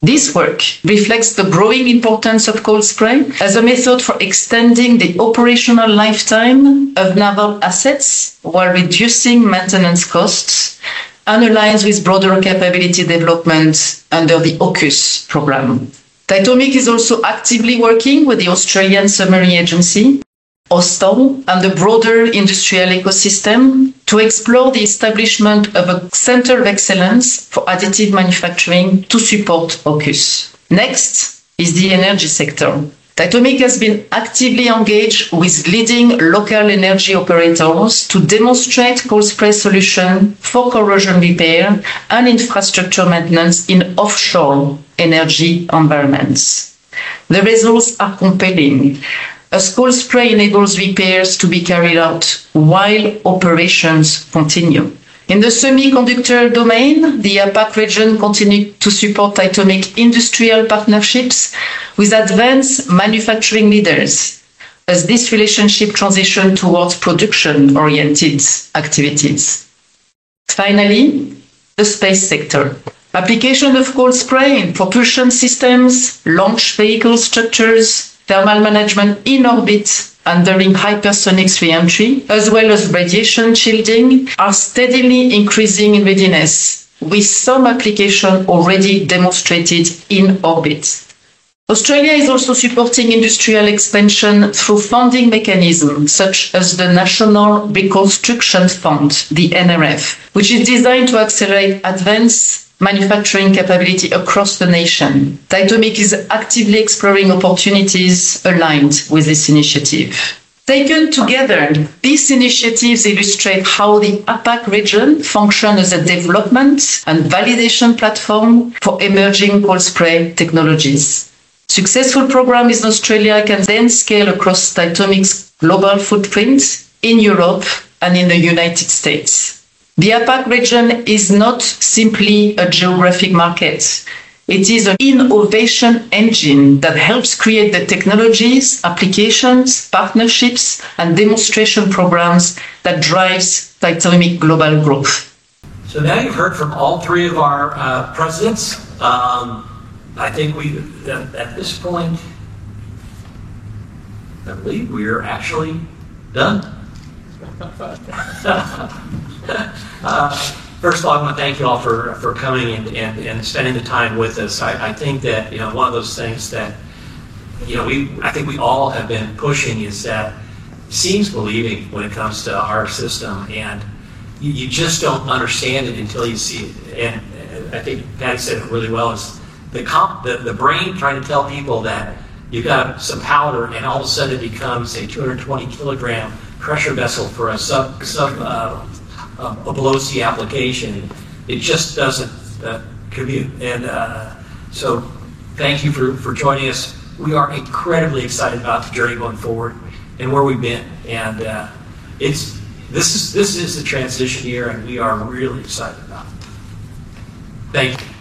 This work reflects the growing importance of cold spray as a method for extending the operational lifetime of naval assets while reducing maintenance costs, and aligns with broader capability development under the AUKUS program. Titomic is also actively working with the Australian Submarine Agency, Austal and the broader industrial ecosystem to explore the establishment of a center of excellence for additive manufacturing to support AUKUS. Next is the energy sector. Titomic has been actively engaged with leading local energy operators to demonstrate cold spray solution for corrosion repair and infrastructure maintenance in offshore energy environments. The results are compelling. As cold spray enables repairs to be carried out while operations continue. In the semiconductor domain, the APAC region continued to support Titomic industrial partnerships with advanced manufacturing leaders as this relationship transitioned towards production-oriented activities. Finally, the space sector. Application of cold spray in propulsion systems, launch vehicle structures, thermal management in orbit and during hypersonic reentry, as well as radiation shielding, are steadily increasing in readiness, with some application already demonstrated in orbit. Australia is also supporting industrial expansion through funding mechanisms such as the National Reconstruction Fund, the NRF, which is designed to accelerate advanced manufacturing capability across the nation. Titomic is actively exploring opportunities aligned with this initiative. Taken together, these initiatives illustrate how the APAC region functions as a development and validation platform for emerging cold spray technologies. Successful program in Australia can then scale across Titomic's global footprint in Europe and in the United States. The APAC region is not simply a geographic market. It is an innovation engine that helps create the technologies, applications, partnerships, and demonstration programs that drives Titomic global growth. Now you've heard from all three of our presidents. I think at this point, I believe we're actually done. First of all, I wanna thank you all for coming and spending the time with us. I think that you know, one of those things that you know, we I think we all have been pushing is that seeing is believing when it comes to our system, and you just don't understand it until you see it. I think Patti said it really well is the brain trying to tell people that you got some powder, and all of a sudden it becomes a 220-kilogram pressure vessel for a subsea application. It just doesn't compute. Thank you for joining us. We are incredibly excited about the journey going forward and where we've been. This is the transition year, and we are really excited about it. Thank you.